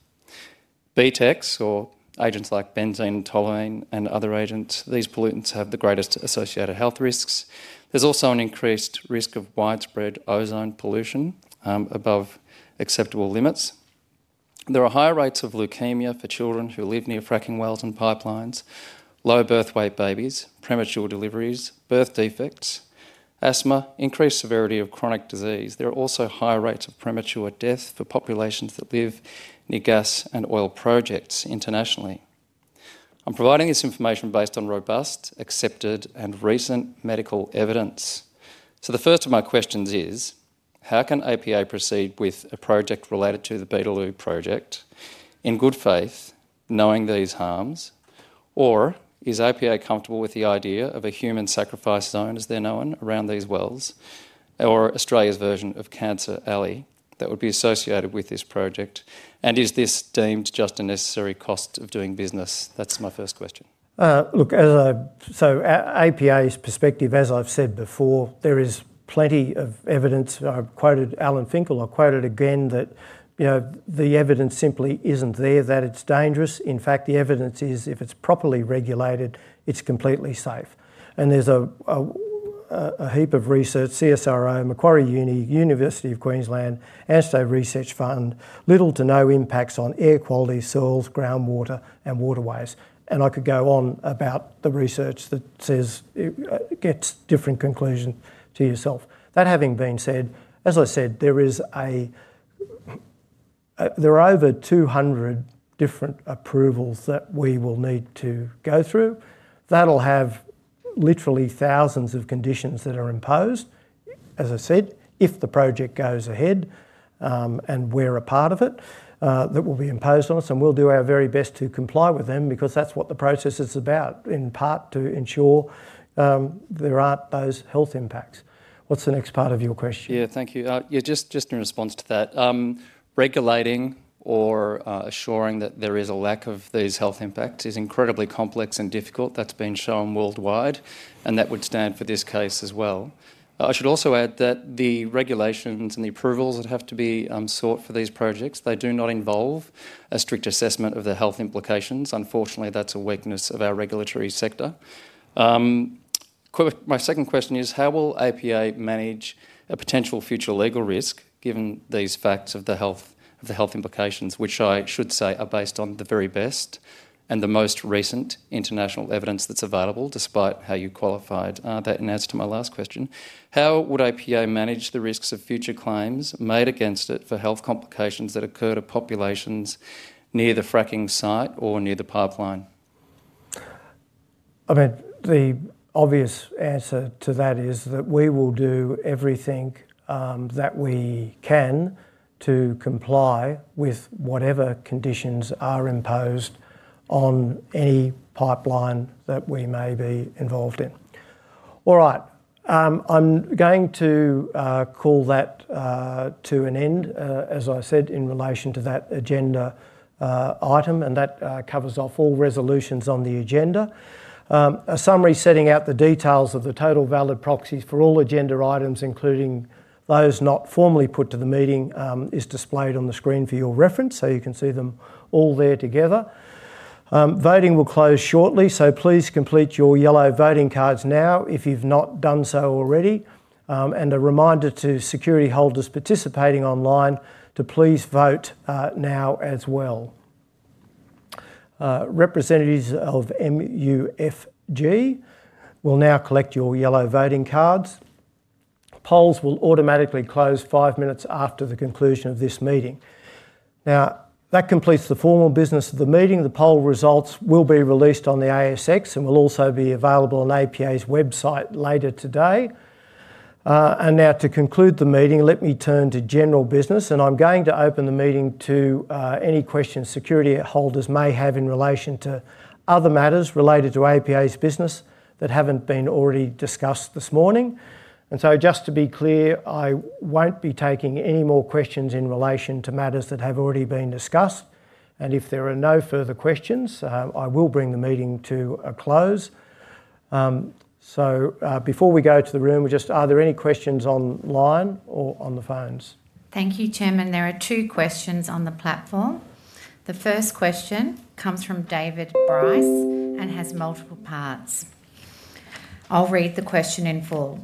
BTEX, or agents like benzene, toluene, and other agents, these pollutants have the greatest associated health risks. There's also an increased risk of widespread ozone pollution above acceptable limits. There are higher rates of leukemia for children who live near fracking wells and pipelines, low birth weight babies, premature deliveries, birth defects, asthma, increased severity of chronic disease. There are also higher rates of premature death for populations that live near gas and oil projects internationally. I'm providing this information based on robust, accepted, and recent medical evidence. The first of my questions is, how can APA proceed with a project related to the Beetaloo project in good faith, knowing these harms, or is APA comfortable with the idea of a human sacrifice zone, as they're known, around these wells, or Australia's version of Cancer Alley that would be associated with this project? Is this deemed just a necessary cost of doing business? That's my first question. Look, as I said, from APA's perspective, as I've said before, there is plenty of evidence. I quoted Alan Finkel. I quoted again that, you know, the evidence simply isn't there that it's dangerous. In fact, the evidence is if it's properly regulated, it's completely safe. There is a heap of research, CSIRO, Macquarie Uni, University of Queensland, ANSTO Research Fund, little to no impacts on air quality, soils, groundwater, and waterways. I could go on about the research that says it gets different conclusions to yourself. That having been said, there are over 200 different approvals that we will need to go through. That will have literally thousands of conditions that are imposed, as I said, if the project goes ahead and we're a part of it, that will be imposed on us. We'll do our very best to comply with them because that's what the process is about, in part to ensure there aren't those health impacts. What's the next part of your question? Thank you. Just in response to that, regulating or assuring that there is a lack of these health impacts is incredibly complex and difficult. That's been shown worldwide, and that would stand for this case as well. I should also add that the regulations and the approvals that have to be sought for these projects do not involve a strict assessment of the health implications. Unfortunately, that's a weakness of our regulatory sector. My second question is, how will APA manage a potential future legal risk given these facts of the health implications, which I should say are based on the very best and the most recent international evidence that's available, despite how you qualified that in answer to my last question? How would APA manage the risks of future claims made against it for health complications that occur to populations near the fracking site or near the pipeline? The obvious answer to that is that we will do everything that we can to comply with whatever conditions are imposed on any pipeline that we may be involved in. All right. I'm going to call that to an end, as I said, in relation to that agenda item, and that covers off all resolutions on the agenda. A summary setting out the details of the total valid proxies for all agenda items, including those not formally put to the meeting, is displayed on the screen for your reference, so you can see them all there together. Voting will close shortly, so please complete your yellow voting cards now if you've not done so already. A reminder to security holders participating online to please vote now as well. Representatives of MUFG will now collect your yellow voting cards. Polls will automatically close five minutes after the conclusion of this meeting. That completes the formal business of the meeting. The poll results will be released on the ASX and will also be available on APA's website later today. Now, to conclude the meeting, let me turn to general business, and I'm going to open the meeting to any questions security holders may have in relation to other matters related to APA's business that haven't been already discussed this morning. Just to be clear, I won't be taking any more questions in relation to matters that have already been discussed. If there are no further questions, I will bring the meeting to a close. Before we go to the room, are there any questions online or on the phones? Thank you, Chairman. There are two questions on the platform. The first question comes from David Bryce and has multiple parts. I'll read the question in full.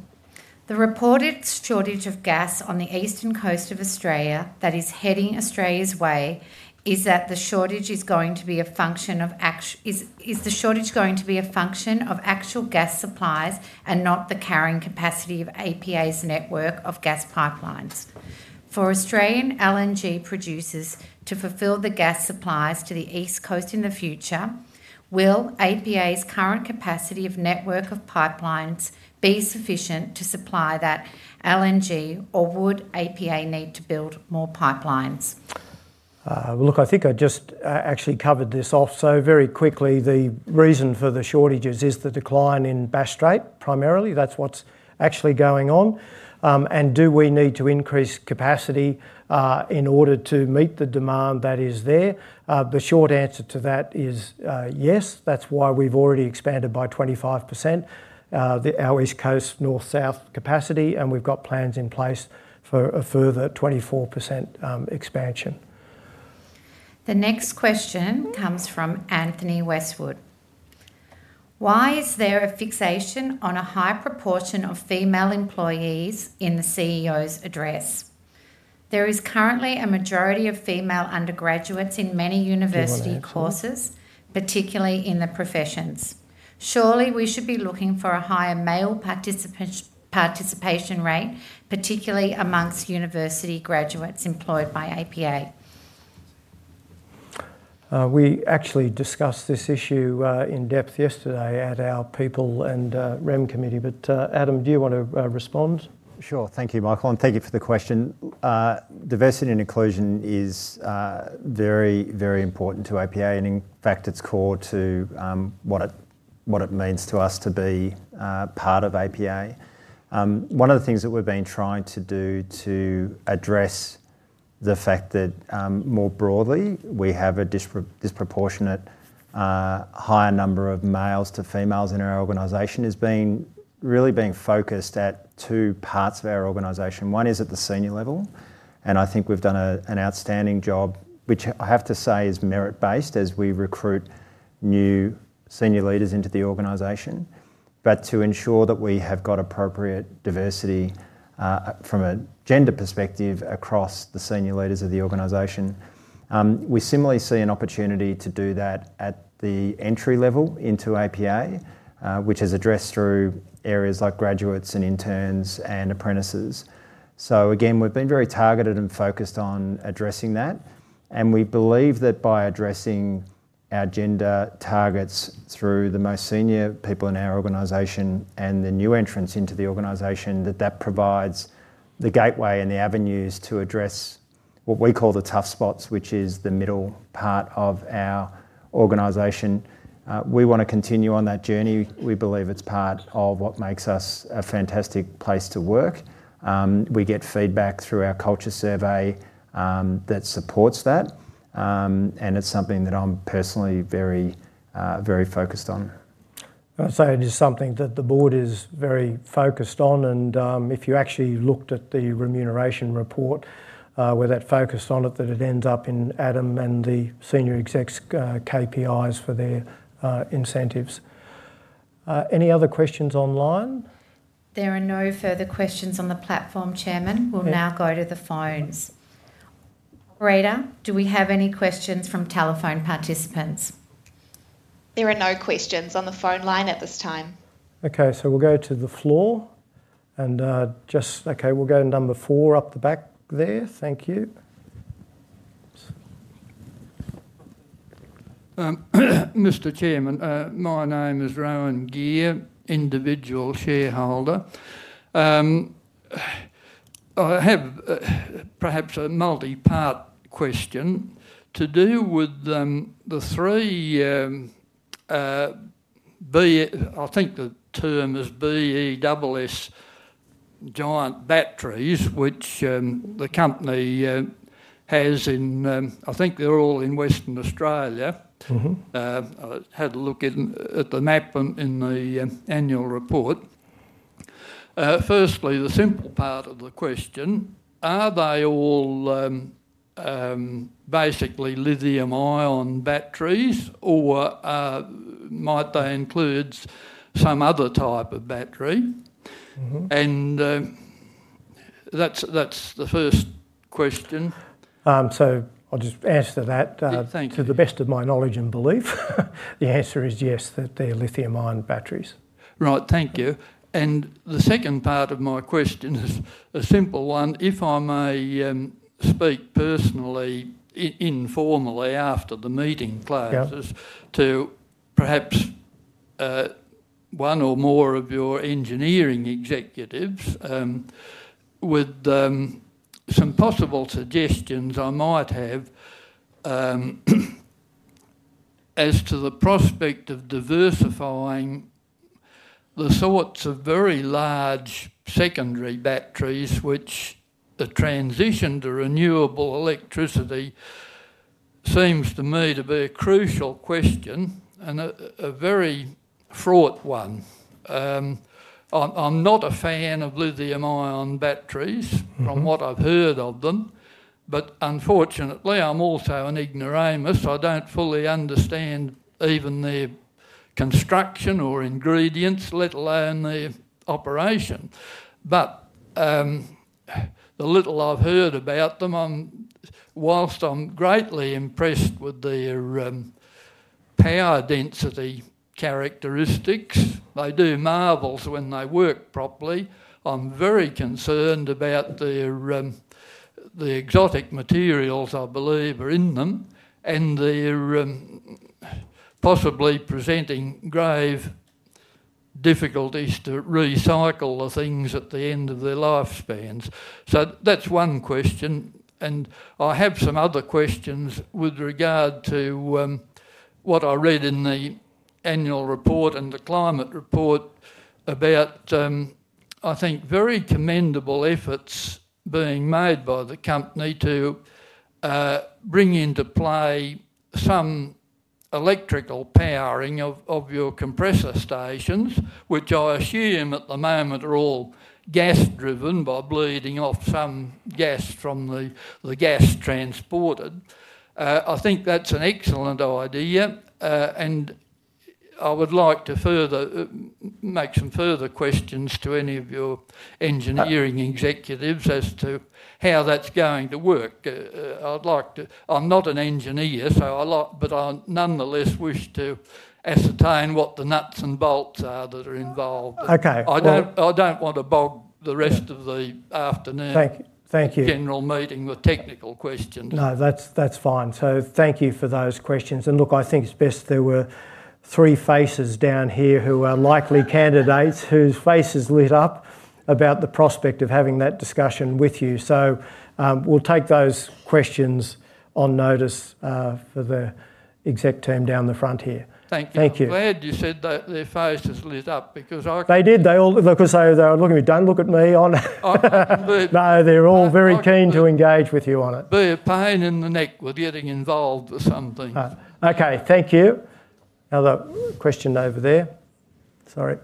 The reported shortage of gas on the East Coast of Australia that is heading Australia's way is that the shortage is going to be a function of actual gas supplies and not the carrying capacity of APA's network of natural gas pipelines. For Australian LNG producers to fulfill the gas supplies to the East Coast in the future, will APA's current capacity of network of pipelines be sufficient to supply that LNG, or would APA need to build more pipelines? I think I just actually covered this off, so very quickly. The reason for the shortages is the decline in Bass Strait, primarily. That's what's actually going on. Do we need to increase capacity in order to meet the demand that is there? The short answer to that is yes. That's why we've already expanded by 25% our East Coast north-south capacity, and we've got plans in place for a further 24% expansion. The next question comes from Anthony Westwood. Why is there a fixation on a high proportion of female employees in the CEO's address? There is currently a majority of female undergraduates in many university courses, particularly in the professions. Surely, we should be looking for a higher male participation rate, particularly amongst university graduates employed by APA. We actually discussed this issue in depth yesterday at our People and Remuneration Committee, but Adam, do you want to respond? Sure, thank you, Michael, and thank you for the question. Diversity and inclusion is very, very important to APA, and in fact, it's core to what it means to us to be part of APA. One of the things that we've been trying to do to address the fact that more broadly, we have a disproportionate higher number of males to females in our organization has been really focused at two parts of our organization. One is at the senior level, and I think we've done an outstanding job, which I have to say is merit-based as we recruit new senior leaders into the organization. To ensure that we have got appropriate diversity from a gender perspective across the senior leaders of the organization, we similarly see an opportunity to do that at the entry level into APA, which is addressed through areas like graduates and interns and apprentices. We've been very targeted and focused on addressing that. We believe that by addressing our gender targets through the most senior people in our organization and the new entrants into the organization, that provides the gateway and the avenues to address what we call the tough spots, which is the middle part of our organization. We want to continue on that journey. We believe it's part of what makes us a fantastic place to work. We get feedback through our culture survey that supports that. It's something that I'm personally very, very focused on. It is something that the board is very focused on. If you actually looked at the remuneration report, where that focused on it, it ends up in Adam and the senior execs' KPIs for their incentives. Any other questions online? There are no further questions on the platform, Chairman. We'll now go to the phones. Operator, do we have any questions from telephone participants? There are no questions on the phone line at this time. Okay, we'll go to the floor. Okay, we'll go to number four up the back there. Thank you. Mr. Chairman, my name is Rowan Gear, individual shareholder. I have perhaps a multi-part question to do with the three, I think the term is BEWS, giant batteries, which the company has in, I think they're all in Western Australia. I had a look at the map in the annual report. Firstly, the simple part of the question, are they all basically lithium-ion batteries or might they include some other type of battery? That's the first question. I'll just answer that to the best of my knowledge and belief. The answer is yes, that they're lithium-ion batteries. Right, thank you. The second part of my question is a simple one. If I may speak personally, informally, after the meeting closes, to perhaps one or more of your engineering executives with some possible suggestions I might have as to the prospect of diversifying the sorts of very large secondary batteries, which the transition to renewable electricity seems to me to be a crucial question and a very fraught one. I'm not a fan of lithium-ion batteries from what I've heard of them, but unfortunately, I'm also an ignoramus. I don't fully understand even their construction or ingredients, let alone their operation. The little I've heard about them, whilst I'm greatly impressed with their power density characteristics, they do marvels when they work properly. I'm very concerned about the exotic materials I believe are in them and they're possibly presenting grave difficulties to recycle the things at the end of their lifespans. That's one question. I have some other questions with regard to what I read in the annual report and the climate report about, I think, very commendable efforts being made by the company to bring into play some electrical powering of your compressor stations, which I assume at the moment are all gas-driven by bleeding off some gas from the gas transported. I think that's an excellent idea. I would like to make some further questions to any of your engineering executives as to how that's going to work. I'm not an engineer, but I nonetheless wish to ascertain what the nuts and bolts are that are involved. I don't want to bog the rest of the afternoon general meeting with technical questions. No, that's fine. Thank you for those questions. I think it's best there were three faces down here who are likely candidates whose faces lit up about the prospect of having that discussion with you. We'll take those questions on notice for the exec team down the front here. Thank you. I'm glad you said that their faces lit up because I— They did. They all, because they were looking at me. Don't look at me. No, they're all very keen to engage with you on it. They're a pain in the neck with getting involved with some things. Okay, thank you. Another question over there. Sorry.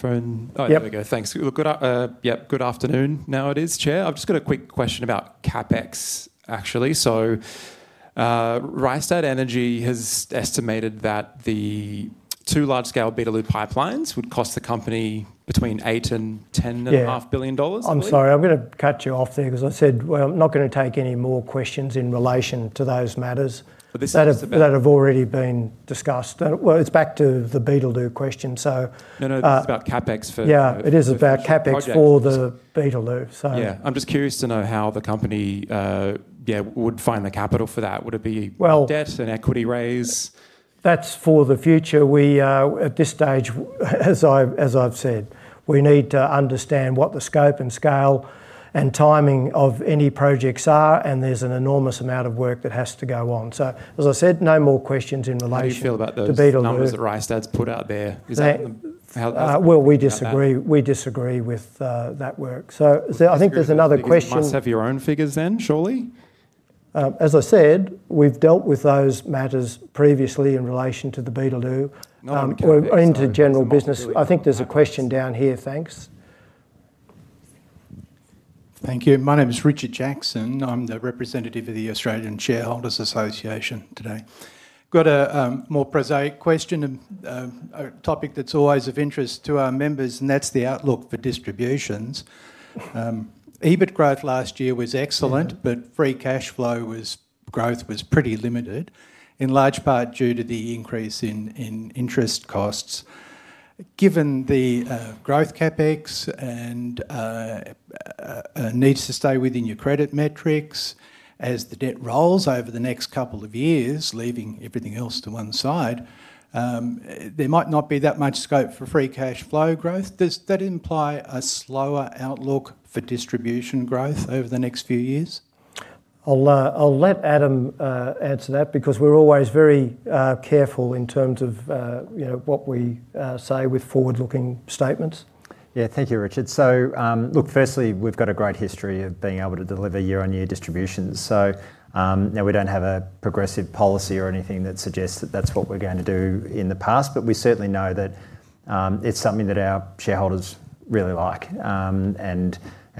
Oh, there we go. Thanks. Yeah, good afternoon nowadays, Chair. I've just got a quick question about CapEx, actually. So Rystad Energy has estimated that the two large-scale Beetaloo pipelines would cost the company between $8 billion and $10.5 billion. I'm sorry, I'm going to cut you off there because I said I'm not going to take any more questions in relation to those matters that have already been discussed. It's back to the Beetaloo question. No, it's about CapEx for. Yeah, it is about CapEx for the Beetaloo. I'm just curious to know how the company would find the capital for that. Would it be debt and equity raise? That's for the future. We, at this stage, as I've said, we need to understand what the scope and scale and timing of any projects are, and there's an enormous amount of work that has to go on. As I said, no more questions in relation. How do you feel about those numbers that Rhoda Harrington's put out there? We disagree with that work. I think there's another question. Do you perhaps have your own figures then, surely? As I said, we've dealt with those matters previously in relation to the Beetaloo. We're into general business. I think there's a question down here. Thanks. Thank you. My name is Richard Jackson. I'm the representative of the Australian Shareholders Association today. I've got a more prosaic question, a topic that's always of interest to our members, and that's the outlook for distributions. EBIT growth last year was excellent, but free cash flow growth was pretty limited, in large part due to the increase in interest costs. Given the growth CapEx and need to stay within your credit metrics, as the debt rolls over the next couple of years, leaving everything else to one side, there might not be that much scope for free cash flow growth. Does that imply a slower outlook for distribution growth over the next few years? I'll let Adam answer that because we're always very careful in terms of what we say with forward-looking statements. Thank you, Richard. Firstly, we've got a great history of being able to deliver year-on-year distributions. We don't have a progressive policy or anything that suggests that's what we're going to do in the past, but we certainly know that it's something that our shareholders really like.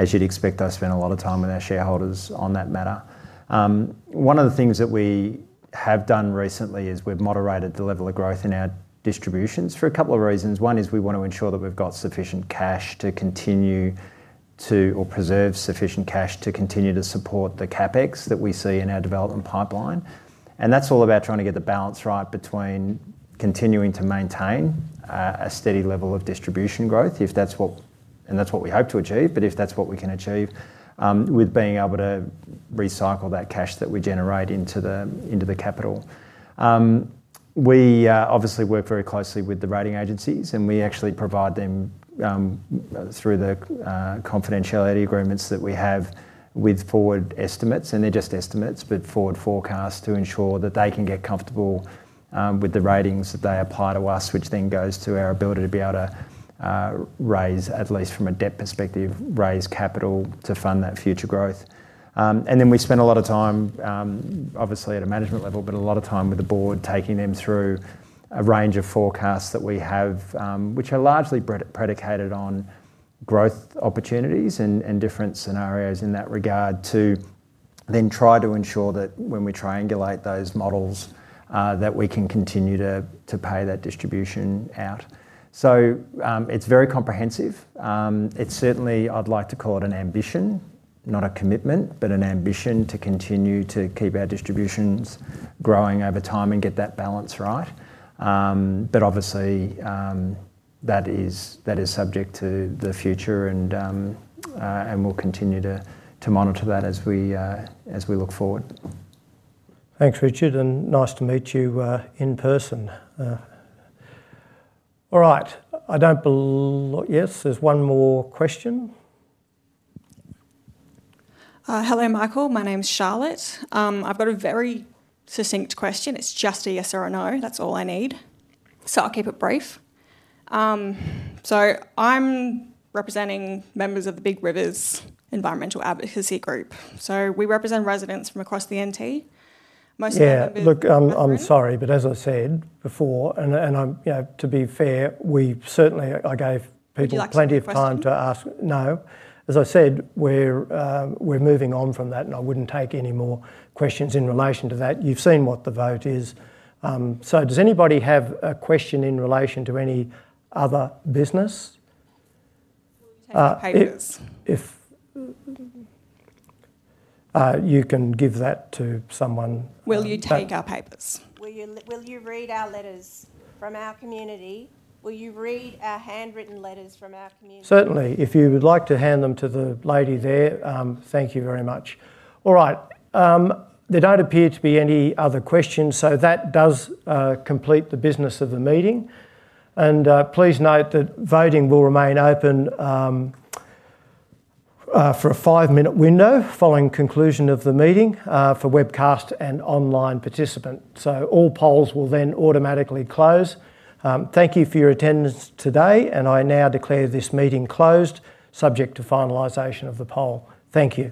As you'd expect, I spend a lot of time with our shareholders on that matter. One of the things that we have done recently is we've moderated the level of growth in our distributions for a couple of reasons. One is we want to ensure that we've got sufficient cash to continue to, or preserve sufficient cash to continue to support the CapEx that we see in our development pipeline. That's all about trying to get the balance right between continuing to maintain a steady level of distribution growth, if that's what, and that's what we hope to achieve, but if that's what we can achieve, with being able to recycle that cash that we generate into the capital. We obviously work very closely with the rating agencies, and we actually provide them through the confidentiality agreements that we have with forward estimates, and they're just estimates, but forward forecasts to ensure that they can get comfortable with the ratings that they apply to us, which then goes to our ability to be able to raise, at least from a debt perspective, raise capital to fund that future growth. We spend a lot of time, obviously at a management level, but a lot of time with the board, taking them through a range of forecasts that we have, which are largely predicated on growth opportunities and different scenarios in that regard to then try to ensure that when we triangulate those models, we can continue to pay that distribution out. It's very comprehensive. I'd like to call it an ambition, not a commitment, but an ambition to continue to keep our distributions growing over time and get that balance right. Obviously, that is subject to the future, and we'll continue to monitor that as we look forward. Thanks, Richard, and nice to meet you in person. All right, I don't believe, yes, there's one more question. Hello, Michael. My name's Charlotte. I've got a very succinct question. It's just a yes or a no. That's all I need. I'll keep it brief. I'm representing members of the Big Rivers Environmental Advocacy Group. We represent residents from across the NT, most of them. Yeah, look, I'm sorry, but as I said before, and to be fair, I gave people plenty of time to ask. As I said, we're moving on from that, and I wouldn't take any more questions in relation to that. You've seen what the vote is. Does anybody have a question in relation to any other business? Will you take our papers? If you can give that to someone. Will you take our papers? Will you read our letters from our community? Will you read our handwritten letters from our community? Certainly, if you would like to hand them to the lady there, thank you very much. All right. There don't appear to be any other questions, so that does complete the business of the meeting. Please note that voting will remain open for a five-minute window following the conclusion of the meeting for webcast and online participants. All polls will then automatically close. Thank you for your attendance today, and I now declare this meeting closed, subject to finalization of the poll. Thank you.